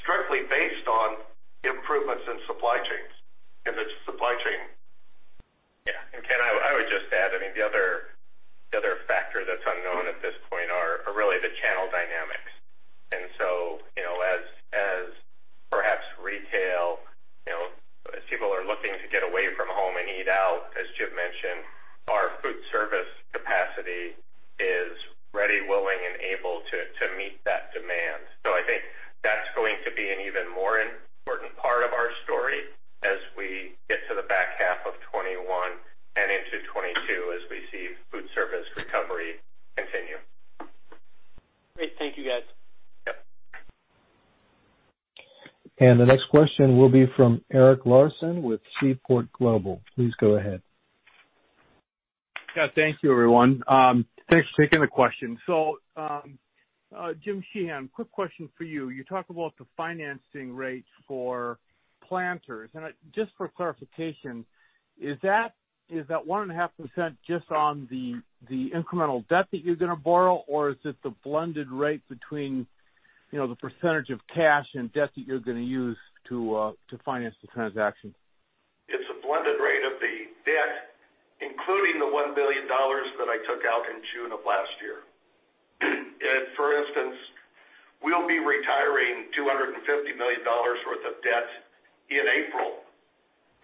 strictly based on improvements in supply chains, in the supply chain. Yeah. Ken, I would just add, the other factor that's unknown at this point are really the channel dynamics. As perhaps retail, as people are looking to get away from home and eat out, as Jim mentioned, our food service capacity is ready, willing, and able to meet that demand. I think that's going to be an even more important part of our story as we get to the back half of 2021 and into 2022 as we see food service recovery continue. Great. Thank you, guys. Yep. The next question will be from Eric Larson with Seaport Global. Please go ahead. Yeah. Thank you, everyone. Thanks for taking the question. Jim Sheehan, quick question for you. You talk about the financing rates for Planters, and just for clarification, is that 1.5% just on the incremental debt that you're going to borrow, or is it the blended rate between the percentage of cash and debt that you're going to use to finance the transaction? It's a blended rate of the debt, including the $1 billion that I took out in June of last year. For instance, we'll be retiring $250 million worth of debt in April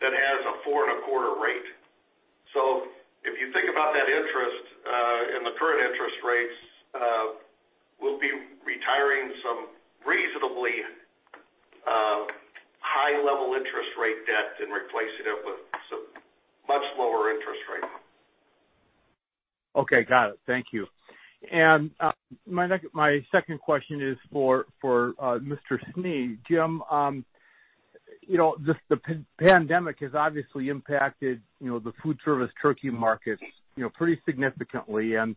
that has a 4.25% rate. If you think about that interest and the current interest rates, we'll be retiring some reasonably high-level interest rate debt and replacing it with some much lower interest rate. Okay. Got it. Thank you. My second question is for Mr. Snee. Jim, the pandemic has obviously impacted the food service turkey market pretty significantly, and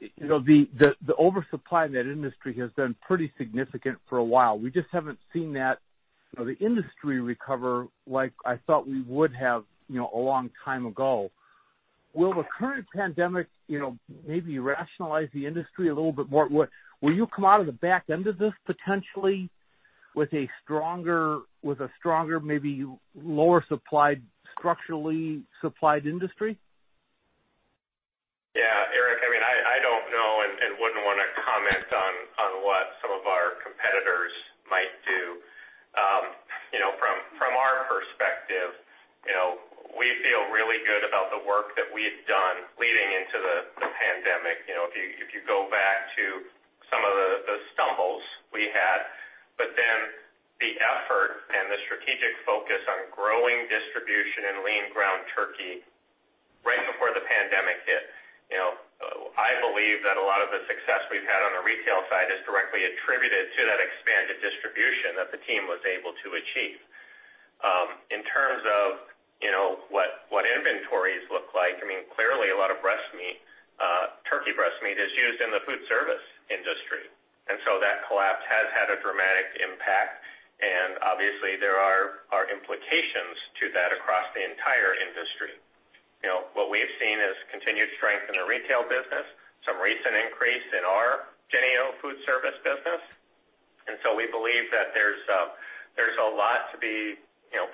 the oversupply in that industry has been pretty significant for a while. We just haven't seen the industry recover like I thought we would have a long time ago. Will the current pandemic maybe rationalize the industry a little more? Will you come out of the back end of this potentially with a stronger, maybe lower structurally supplied industry? Yeah. Eric, I don't know and wouldn't want to comment on what some of our competitors might do. From our perspective, we feel really good about the work that we had done leading into the pandemic. If you go back to some of the stumbles we had, but then the effort and the strategic focus on growing distribution in lean ground turkey right before the pandemic hit. Believe that a lot of the success we've had on our retail side is directly attributed to that expanded distribution that the team was able to achieve. In terms of what inventories look like, clearly a lot of turkey breast meat is used in the food service industry. That collapse has had a dramatic impact, and obviously there are implications to that across the entire industry. What we've seen is continued strength in the retail business, some recent increase in our JENNIE-O food service business. We believe that there's a lot to be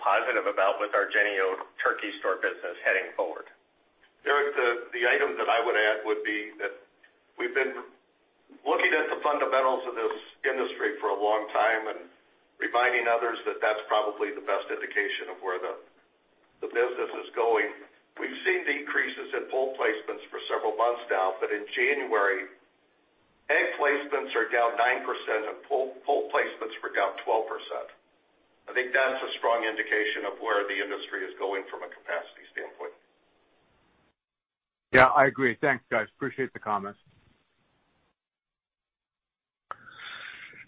positive about with our JENNIE‑O Turkey Store business heading forward. Eric, the item that I would add would be that we've been looking at the fundamentals of this industry for a long time and reminding others that that's probably the best indication of where the business is going. We've seen decreases in poult placements for several months now, but in January, egg placements are down 9% and poult placements were down 12%. I think that's a strong indication of where the industry is going from a capacity standpoint. Yeah, I agree. Thanks, guys. Appreciate the comments.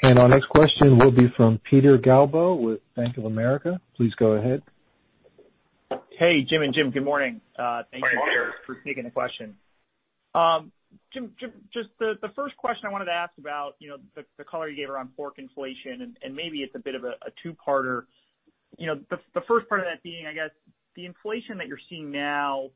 Our next question will be from Peter Galbo with Bank of America. Please go ahead. Hey, Jim and Jim. Good morning. Morning, Peter. Thank you for taking the question. Jim, just the first question I wanted to ask about the color you gave around pork inflation, and maybe it's a bit of a two-parter. The first part of that being, I guess the inflation that you're seeing now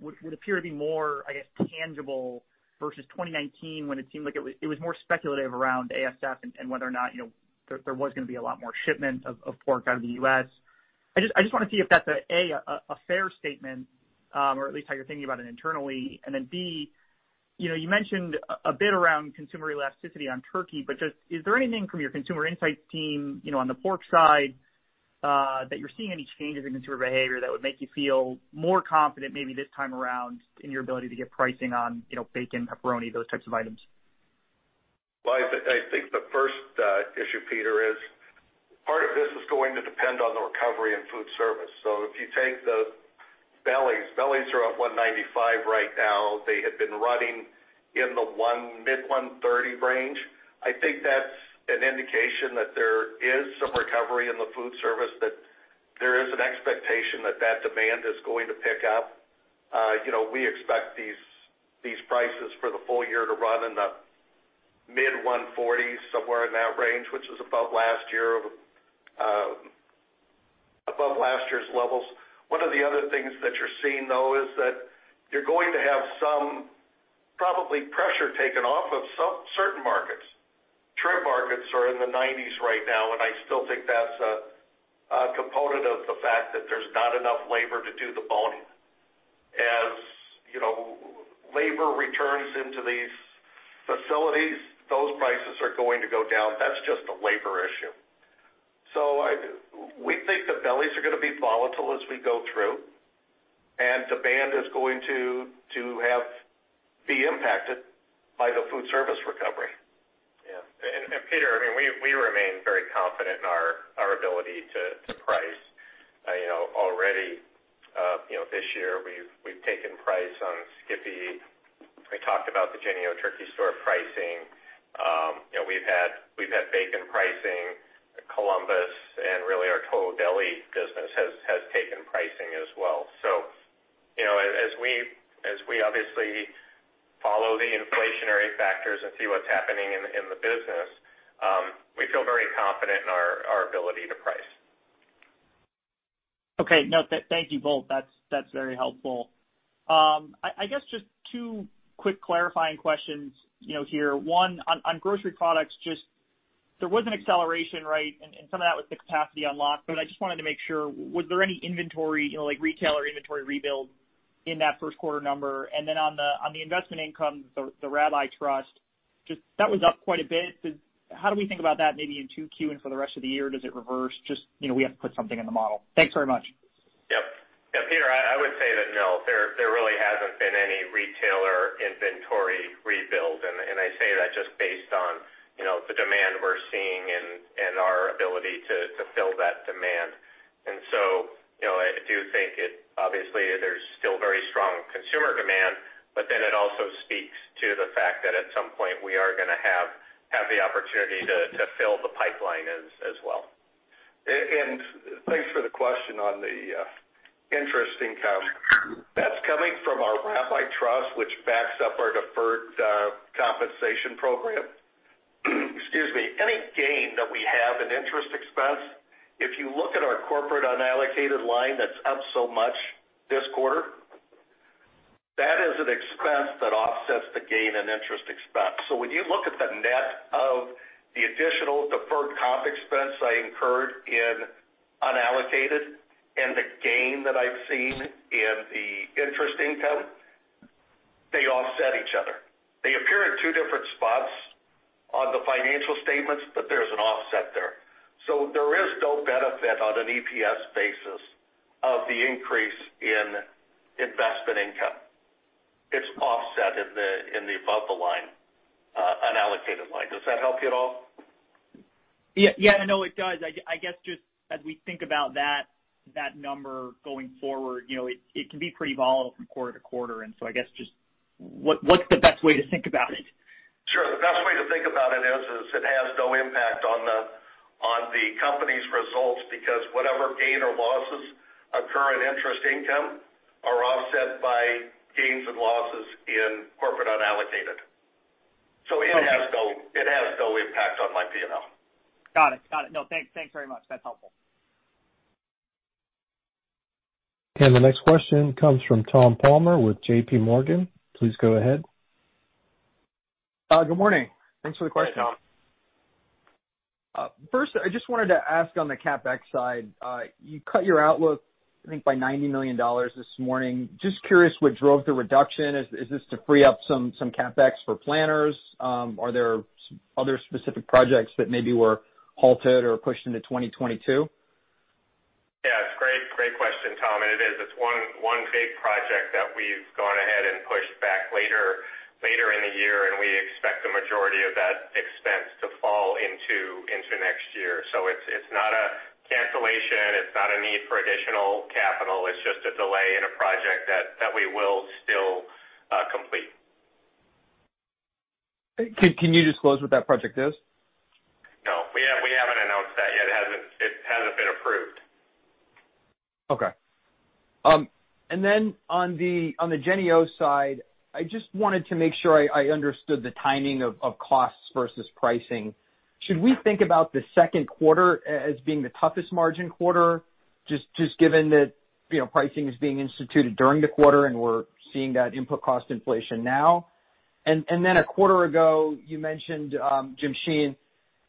would appear to be more, I guess, tangible versus 2019 when it seemed like it was more speculative around ASF and whether or not there was going to be a lot more shipment of pork out of the U.S. I just want to see if that's, A, a fair statement, or at least how you're thinking about it internally. And B, you mentioned a bit around consumer elasticity on turkey, but just, is there anything from your consumer insights team on the pork side that you're seeing any changes in consumer behavior that would make you feel more confident maybe this time around in your ability to get pricing on bacon, pepperoni, those types of items? Well, I think the first issue, Peter, is part of this is going to depend on the recovery in food service. If you take the bellies are up 195 right now. They had been running in the mid-130 range. I think that's an indication that there is some recovery in the food service, that there is an expectation that that demand is going to pick up. We expect these prices for the full year to run in the mid-140s, somewhere in that range, which is above last year's levels. One of the other things that you're seeing, though, is that you're going to have some probably pressure taken off of certain markets. Trim markets are in the 90s right now, and I still think that's a component of the fact that there's not enough labor to do the boning. As labor returns into these facilities, those prices are going to go down. That's just a labor issue. We think the bellies are going to be volatile as we go through, and demand is going to be impacted by the food service recovery. Yeah. Peter, we remain very confident in our ability to price. Already this year, we've taken price on SKIPPY. We talked about the JENNIE‑O Turkey Store pricing. We've had bacon pricing, Columbus, and really our total deli business has taken pricing as well. As we obviously follow the inflationary factors and see what's happening in the business, we feel very confident in our ability to price. Okay. No, thank you both. That's very helpful. I guess just two quick clarifying questions here. One, on grocery products, just there was an acceleration, right? Some of that was the capacity unlock, but I just wanted to make sure, was there any inventory, like retailer inventory rebuild in that first quarter number? Then on the investment income, the Rabbi trust, just that was up quite a bit. How do we think about that maybe in 2Q and for the rest of the year? Does it reverse? Just we have to put something in the model. Thanks very much. Yep. Peter, I would say that no, there really hasn't been any retailer inventory rebuild. I say that just based on the demand we're seeing and our ability to fill that demand. I do think, obviously, there's still very strong consumer demand, but then it also speaks to the fact that at some point we are going to have the opportunity to fill the pipeline as well. Thanks for the question on the interest income. That's coming from our Rabbi trust, which backs up our deferred compensation program. Excuse me. Any gain that we have in interest expense, if you look at our corporate unallocated line that's up so much this quarter, that is an expense that offsets the gain in interest expense. When you look at the net of the additional deferred comp expense I incurred in unallocated and the gain that I've seen in the interest income, they offset each other. They appear in two different spots on the financial statements, but there's an offset there. There is no benefit on an EPS basis of the increase in investment income. It's offset in the above the line. Does that help you at all? Yeah, no, it does. I guess just as we think about that number going forward, it can be pretty volatile from quarter to quarter. I guess just what's the best way to think about it? Sure. The best way to think about it is, it has no impact on the company's results because whatever gain or losses occur in interest income are offset by gains and losses in corporate unallocated. It has no impact on my P&L. Got it. No, thanks very much. That's helpful. The next question comes from Tom Palmer with JPMorgan. Please go ahead. Good morning. Thanks for the question. Good morning, Tom. First, I just wanted to ask on the CapEx side. You cut your outlook, I think by $90 million this morning. Just curious what drove the reduction? Is this to free up some CapEx for Planters? Are there other specific projects that maybe were halted or pushed into 2022? Yeah, it's a great question, Tom. It is. It's one big project that we've gone ahead and pushed back later in the year. We expect the majority of that expense to fall into next year. It's not a cancellation. It's not a need for additional capital. It's just a delay in a project that we will still complete. Can you disclose what that project is? No. We haven't announced that yet. It hasn't been approved. Okay. On the JENNIE-O side, I just wanted to make sure I understood the timing of costs versus pricing. Should we think about the second quarter as being the toughest margin quarter, just given that pricing is being instituted during the quarter and we're seeing that input cost inflation now? A quarter ago, you mentioned, Jim Sheehan,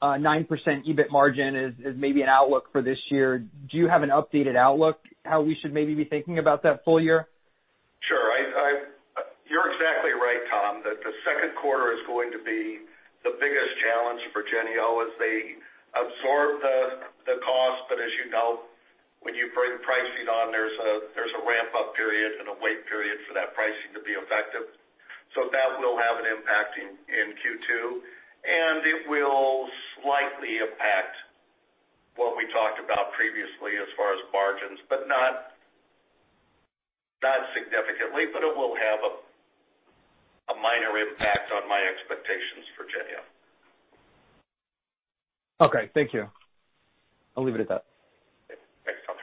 9% EBIT margin is maybe an outlook for this year. Do you have an updated outlook how we should maybe be thinking about that full year? Sure. You're exactly right, Tom, that the second quarter is going to be the biggest challenge for JENNIE-O as they absorb the cost. As you know, when you bring pricing on, there's a ramp-up period and a wait period for that pricing to be effective. That will have an impact in Q2, and it will slightly impact what we talked about previously as far as margins, but not significantly. It will have a minor impact on my expectations for JENNIE-O. Okay, thank you. I'll leave it at that. Thanks, Tom.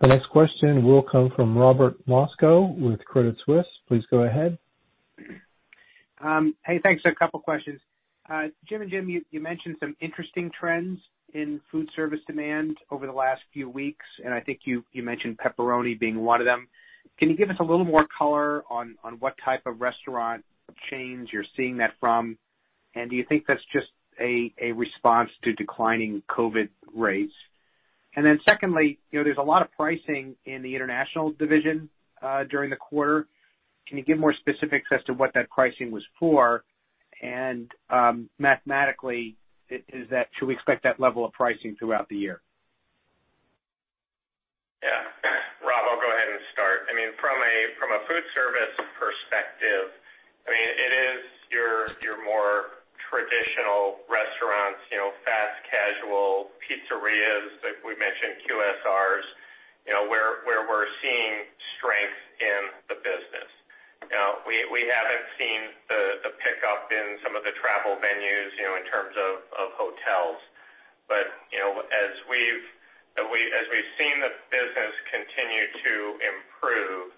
The next question will come from Robert Moskow with Credit Suisse. Please go ahead. Hey, thanks. A couple questions. Jim and Jim, you mentioned some interesting trends in Foodservice demand over the last few weeks, and I think you mentioned pepperoni being one of them. Can you give us a little more color on what type of restaurant chains you're seeing that from, and do you think that's just a response to declining COVID-19 rates? Secondly, there's a lot of pricing in the international division during the quarter. Can you give more specifics as to what that pricing was for? Mathematically, should we expect that level of pricing throughout the year? Yeah. Rob, I'll go ahead and start. From a food service perspective, it is your more traditional restaurants, fast casual pizzerias. We mentioned QSRs, where we're seeing strength in the business. We haven't seen the pickup in some of the travel venues in terms of hotels. As we've seen the business continue to improve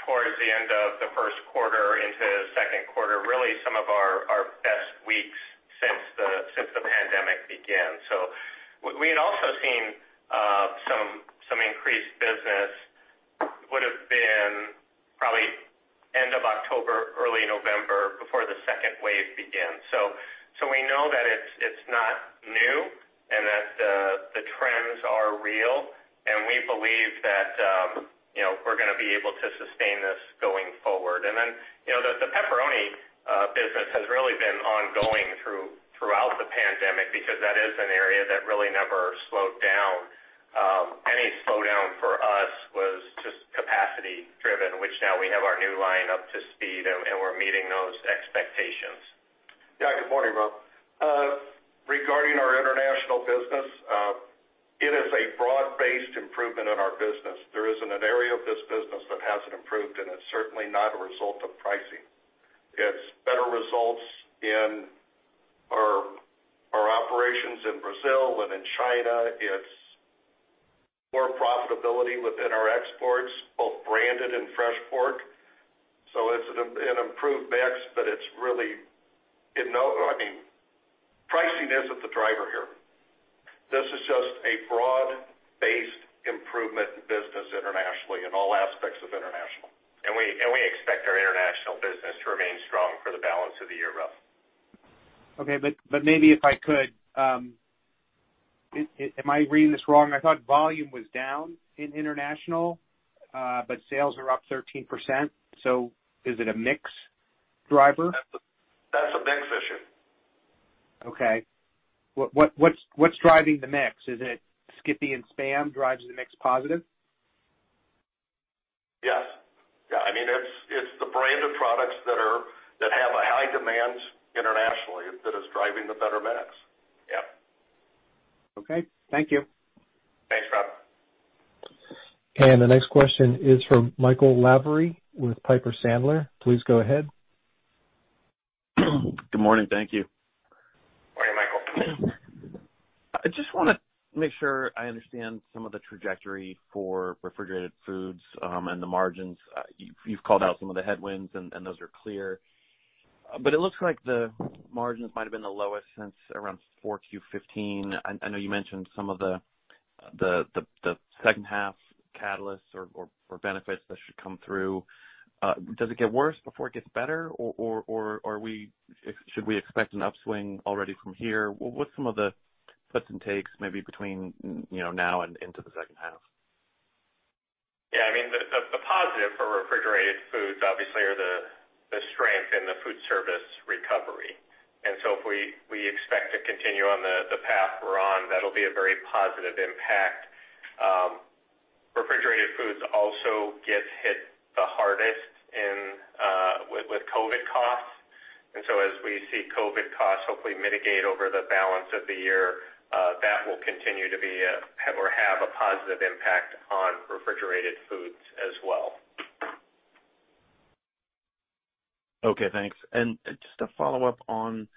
towards the end of the first quarter into second quarter, really some of our best weeks since the pandemic began. We had also seen some increased business would've been probably end of October, early November, before the second wave began. We know that it's not new and that the trends are real, and we believe that we're going to be able to sustain this going forward. The pepperoni business has really been ongoing throughout the pandemic because that is an area that really never slowed down. Any slowdown for us was just capacity driven, which now we have our new line up to speed and we are meeting those expectations. Yeah. Good morning, Rob. Regarding our international business, it is a broad-based improvement in our business. There isn't an area of this business that hasn't improved, and it's certainly not a result of pricing. It's better results in our operations in Brazil and in China. It's more profitability within our exports, both branded and fresh pork. It's an improved mix, but pricing isn't the driver here. This is just a broad-based improvement in business internationally in all aspects of international. We expect our international business to remain strong for the balance of the year, Rob. Okay. Maybe if I could, am I reading this wrong? I thought volume was down in international, but sales are up 13%. Is it a mix driver? That's a mix issue. Okay. What's driving the mix? Is it SKIPPY and SPAM drives the mix positive? Yeah. It's the brand of products that have a high demand internationally that is driving the better mix. Yep. Okay, thank you. Thanks, Rob. The next question is from Michael Lavery with Piper Sandler. Please go ahead. Good morning. Thank you. Morning, Michael. I just want to make sure I understand some of the trajectory for refrigerated foods, and the margins. You've called out some of the headwinds, and those are clear. It looks like the margins might've been the lowest since around 4Q 2015. I know you mentioned some of the second half catalysts or benefits that should come through. Does it get worse before it gets better, or should we expect an upswing already from here? What's some of the puts and takes maybe between now and into the second half? The positive for refrigerated foods, obviously, are the strength in the food service recovery. If we expect to continue on the path we're on, that'll be a very positive impact. Refrigerated foods also get hit the hardest with COVID costs. As we see COVID costs hopefully mitigate over the balance of the year, that will continue to be, or have a positive impact on refrigerated foods as well. Okay, thanks. Just to follow up on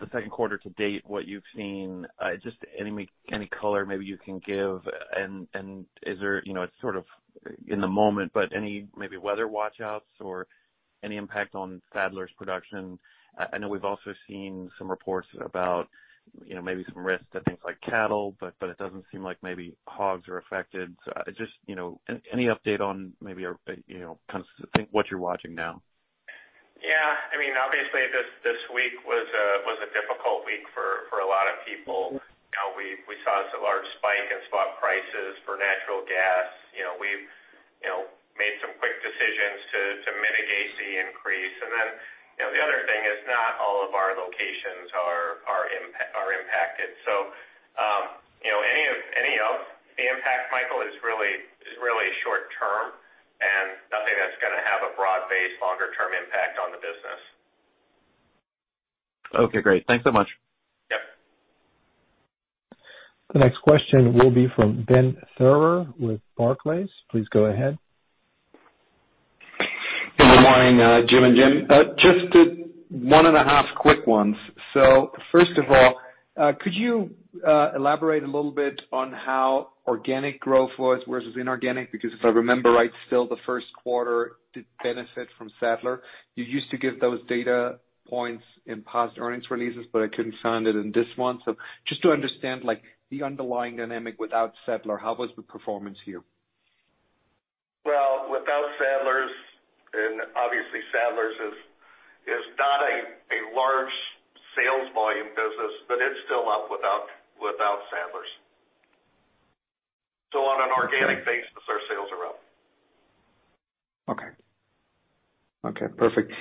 the second quarter to date, what you've seen, just any color maybe you can give, and it's sort of in the moment, but any maybe weather watch outs or any impact on Sadler's production? I know we've also seen some reports about maybe some risks to things like cattle, but it doesn't seem like maybe hogs are affected. Just any update on maybe, kind of what you're watching now? Yeah. Obviously, this week was a difficult week for a lot of people. We saw a large spike in spot prices for natural gas. We've made some quick decisions to mitigate the increase. The other thing is not all of our locations are impacted. Any of the impact, Michael, is really short-term and nothing that's going to have a broad-based longer-term impact on the business. Okay, great. Thanks so much. Yep. The next question will be from Ben Theurer with Barclays. Please go ahead. Good morning, Jim and Jim. Just one and a half quick ones. First of all, could you elaborate a little bit on how organic growth was versus inorganic? If I remember right, still the first quarter did benefit from Sadler. You used to give those data points in past earnings releases, I couldn't find it in this one. Just to understand, the underlying dynamic without Sadler, how was the performance here? Well, without Sadler's, obviously Sadler's is not a large sales volume business. It's still up without Sadler's. On an organic basis, our sales are up. Okay. Okay, perfect.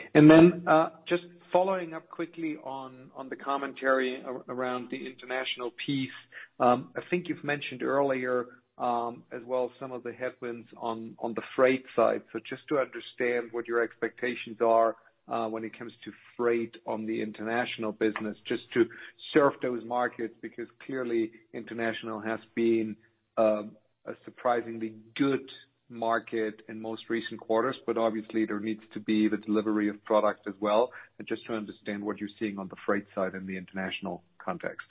Just following up quickly on the commentary around the international piece. I think you've mentioned earlier, as well, some of the headwinds on the freight side. Just to understand what your expectations are, when it comes to freight on the international business, just to serve those markets, because clearly international has been a surprisingly good market in most recent quarters, but obviously there needs to be the delivery of product as well. Just to understand what you're seeing on the freight side in the international context.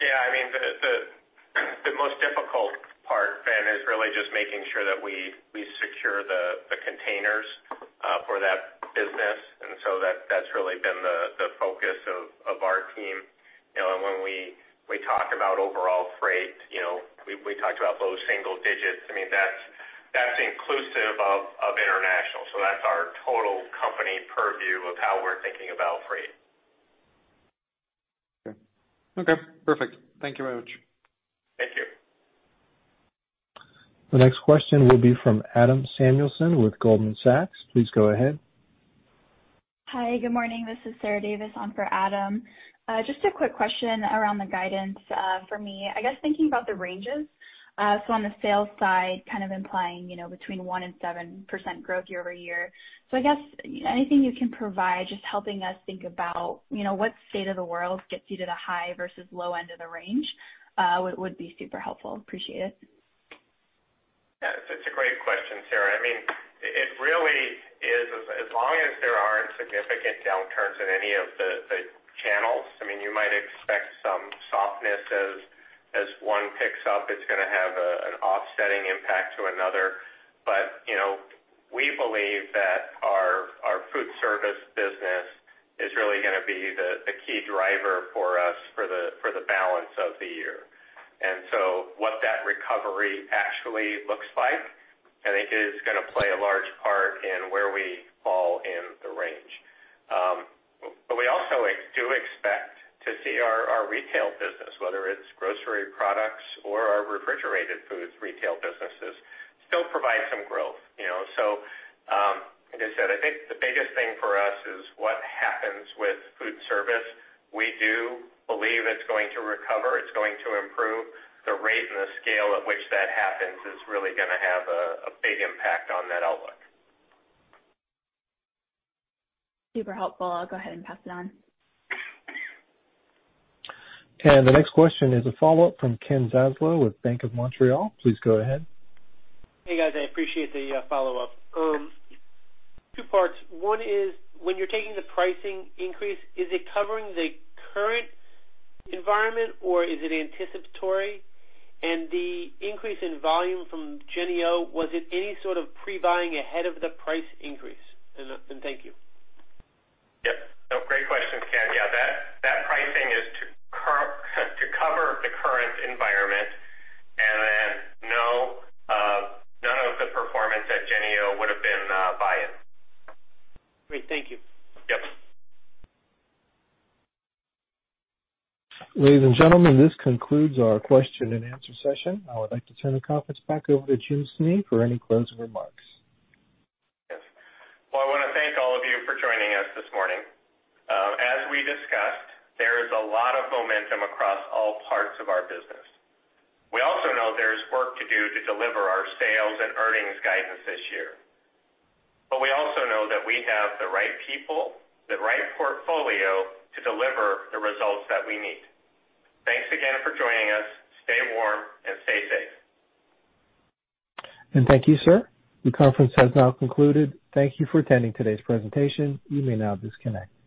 Yeah. The most difficult part, Ben, is really just making sure that we secure the containers for that business. That's really been the focus of our team. When we talk about overall freight, we talked about low single digits. That's inclusive of international. That's our total company purview of how we're thinking about freight. Okay. Perfect. Thank you very much. Thank you. The next question will be from Adam Samuelson with Goldman Sachs. Please go ahead. Hi, good morning. This is Sarah Davis on for Adam. Just a quick question around the guidance, for me. I guess thinking about the ranges, on the sales side, kind of implying between 1% and 7% growth year-over-year. I guess anything you can provide just helping us think about what state of the world gets you to the high versus low end of the range, would be super helpful. Appreciate it. Yeah. It's a great question, Sarah. It really is, as long as there aren't significant downturns in any of the channels. You might expect some softness as one picks up, it's going to have an offsetting impact to another. We believe that our food service business is really going to be the key driver for us for the balance of the year. What that recovery actually looks like, I think is going to play a large part in where we fall in the range. We also do expect to see our retail business, whether it's grocery products or our refrigerated foods retail businesses, still provide some growth. Like I said, I think the biggest thing for us is what happens with food service. We do believe it's going to recover. It's going to improve. The rate and the scale at which that happens is really going to have a big impact on that outlook. Super helpful. I'll go ahead and pass it on. The next question is a follow-up from Ken Zaslow with Bank of Montreal. Please go ahead. Hey, guys. I appreciate the follow-up. Two parts. One is, when you're taking the pricing increase, is it covering the current environment or is it anticipatory? The increase in volume from JENNIE‑O, was it any sort of pre-buying ahead of the price increase? Thank you. Yep. Great questions, Ken. Yeah, that pricing is to cover the current environment. None of the performance at JENNIE‑O would've been buy-in. Great. Thank you. Yep. Ladies and gentlemen, this concludes our question and answer session. I would like to turn the conference back over to Jim Snee for any closing remarks. Yes. Well, I want to thank all of you for joining us this morning. As we discussed, there is a lot of momentum across all parts of our business. We also know there's work to do to deliver our sales and earnings guidance this year. We also know that we have the right people, the right portfolio to deliver the results that we need. Thanks again for joining us. Stay warm and stay safe. Thank you, sir. The conference has now concluded. Thank you for attending today's presentation. You may now disconnect.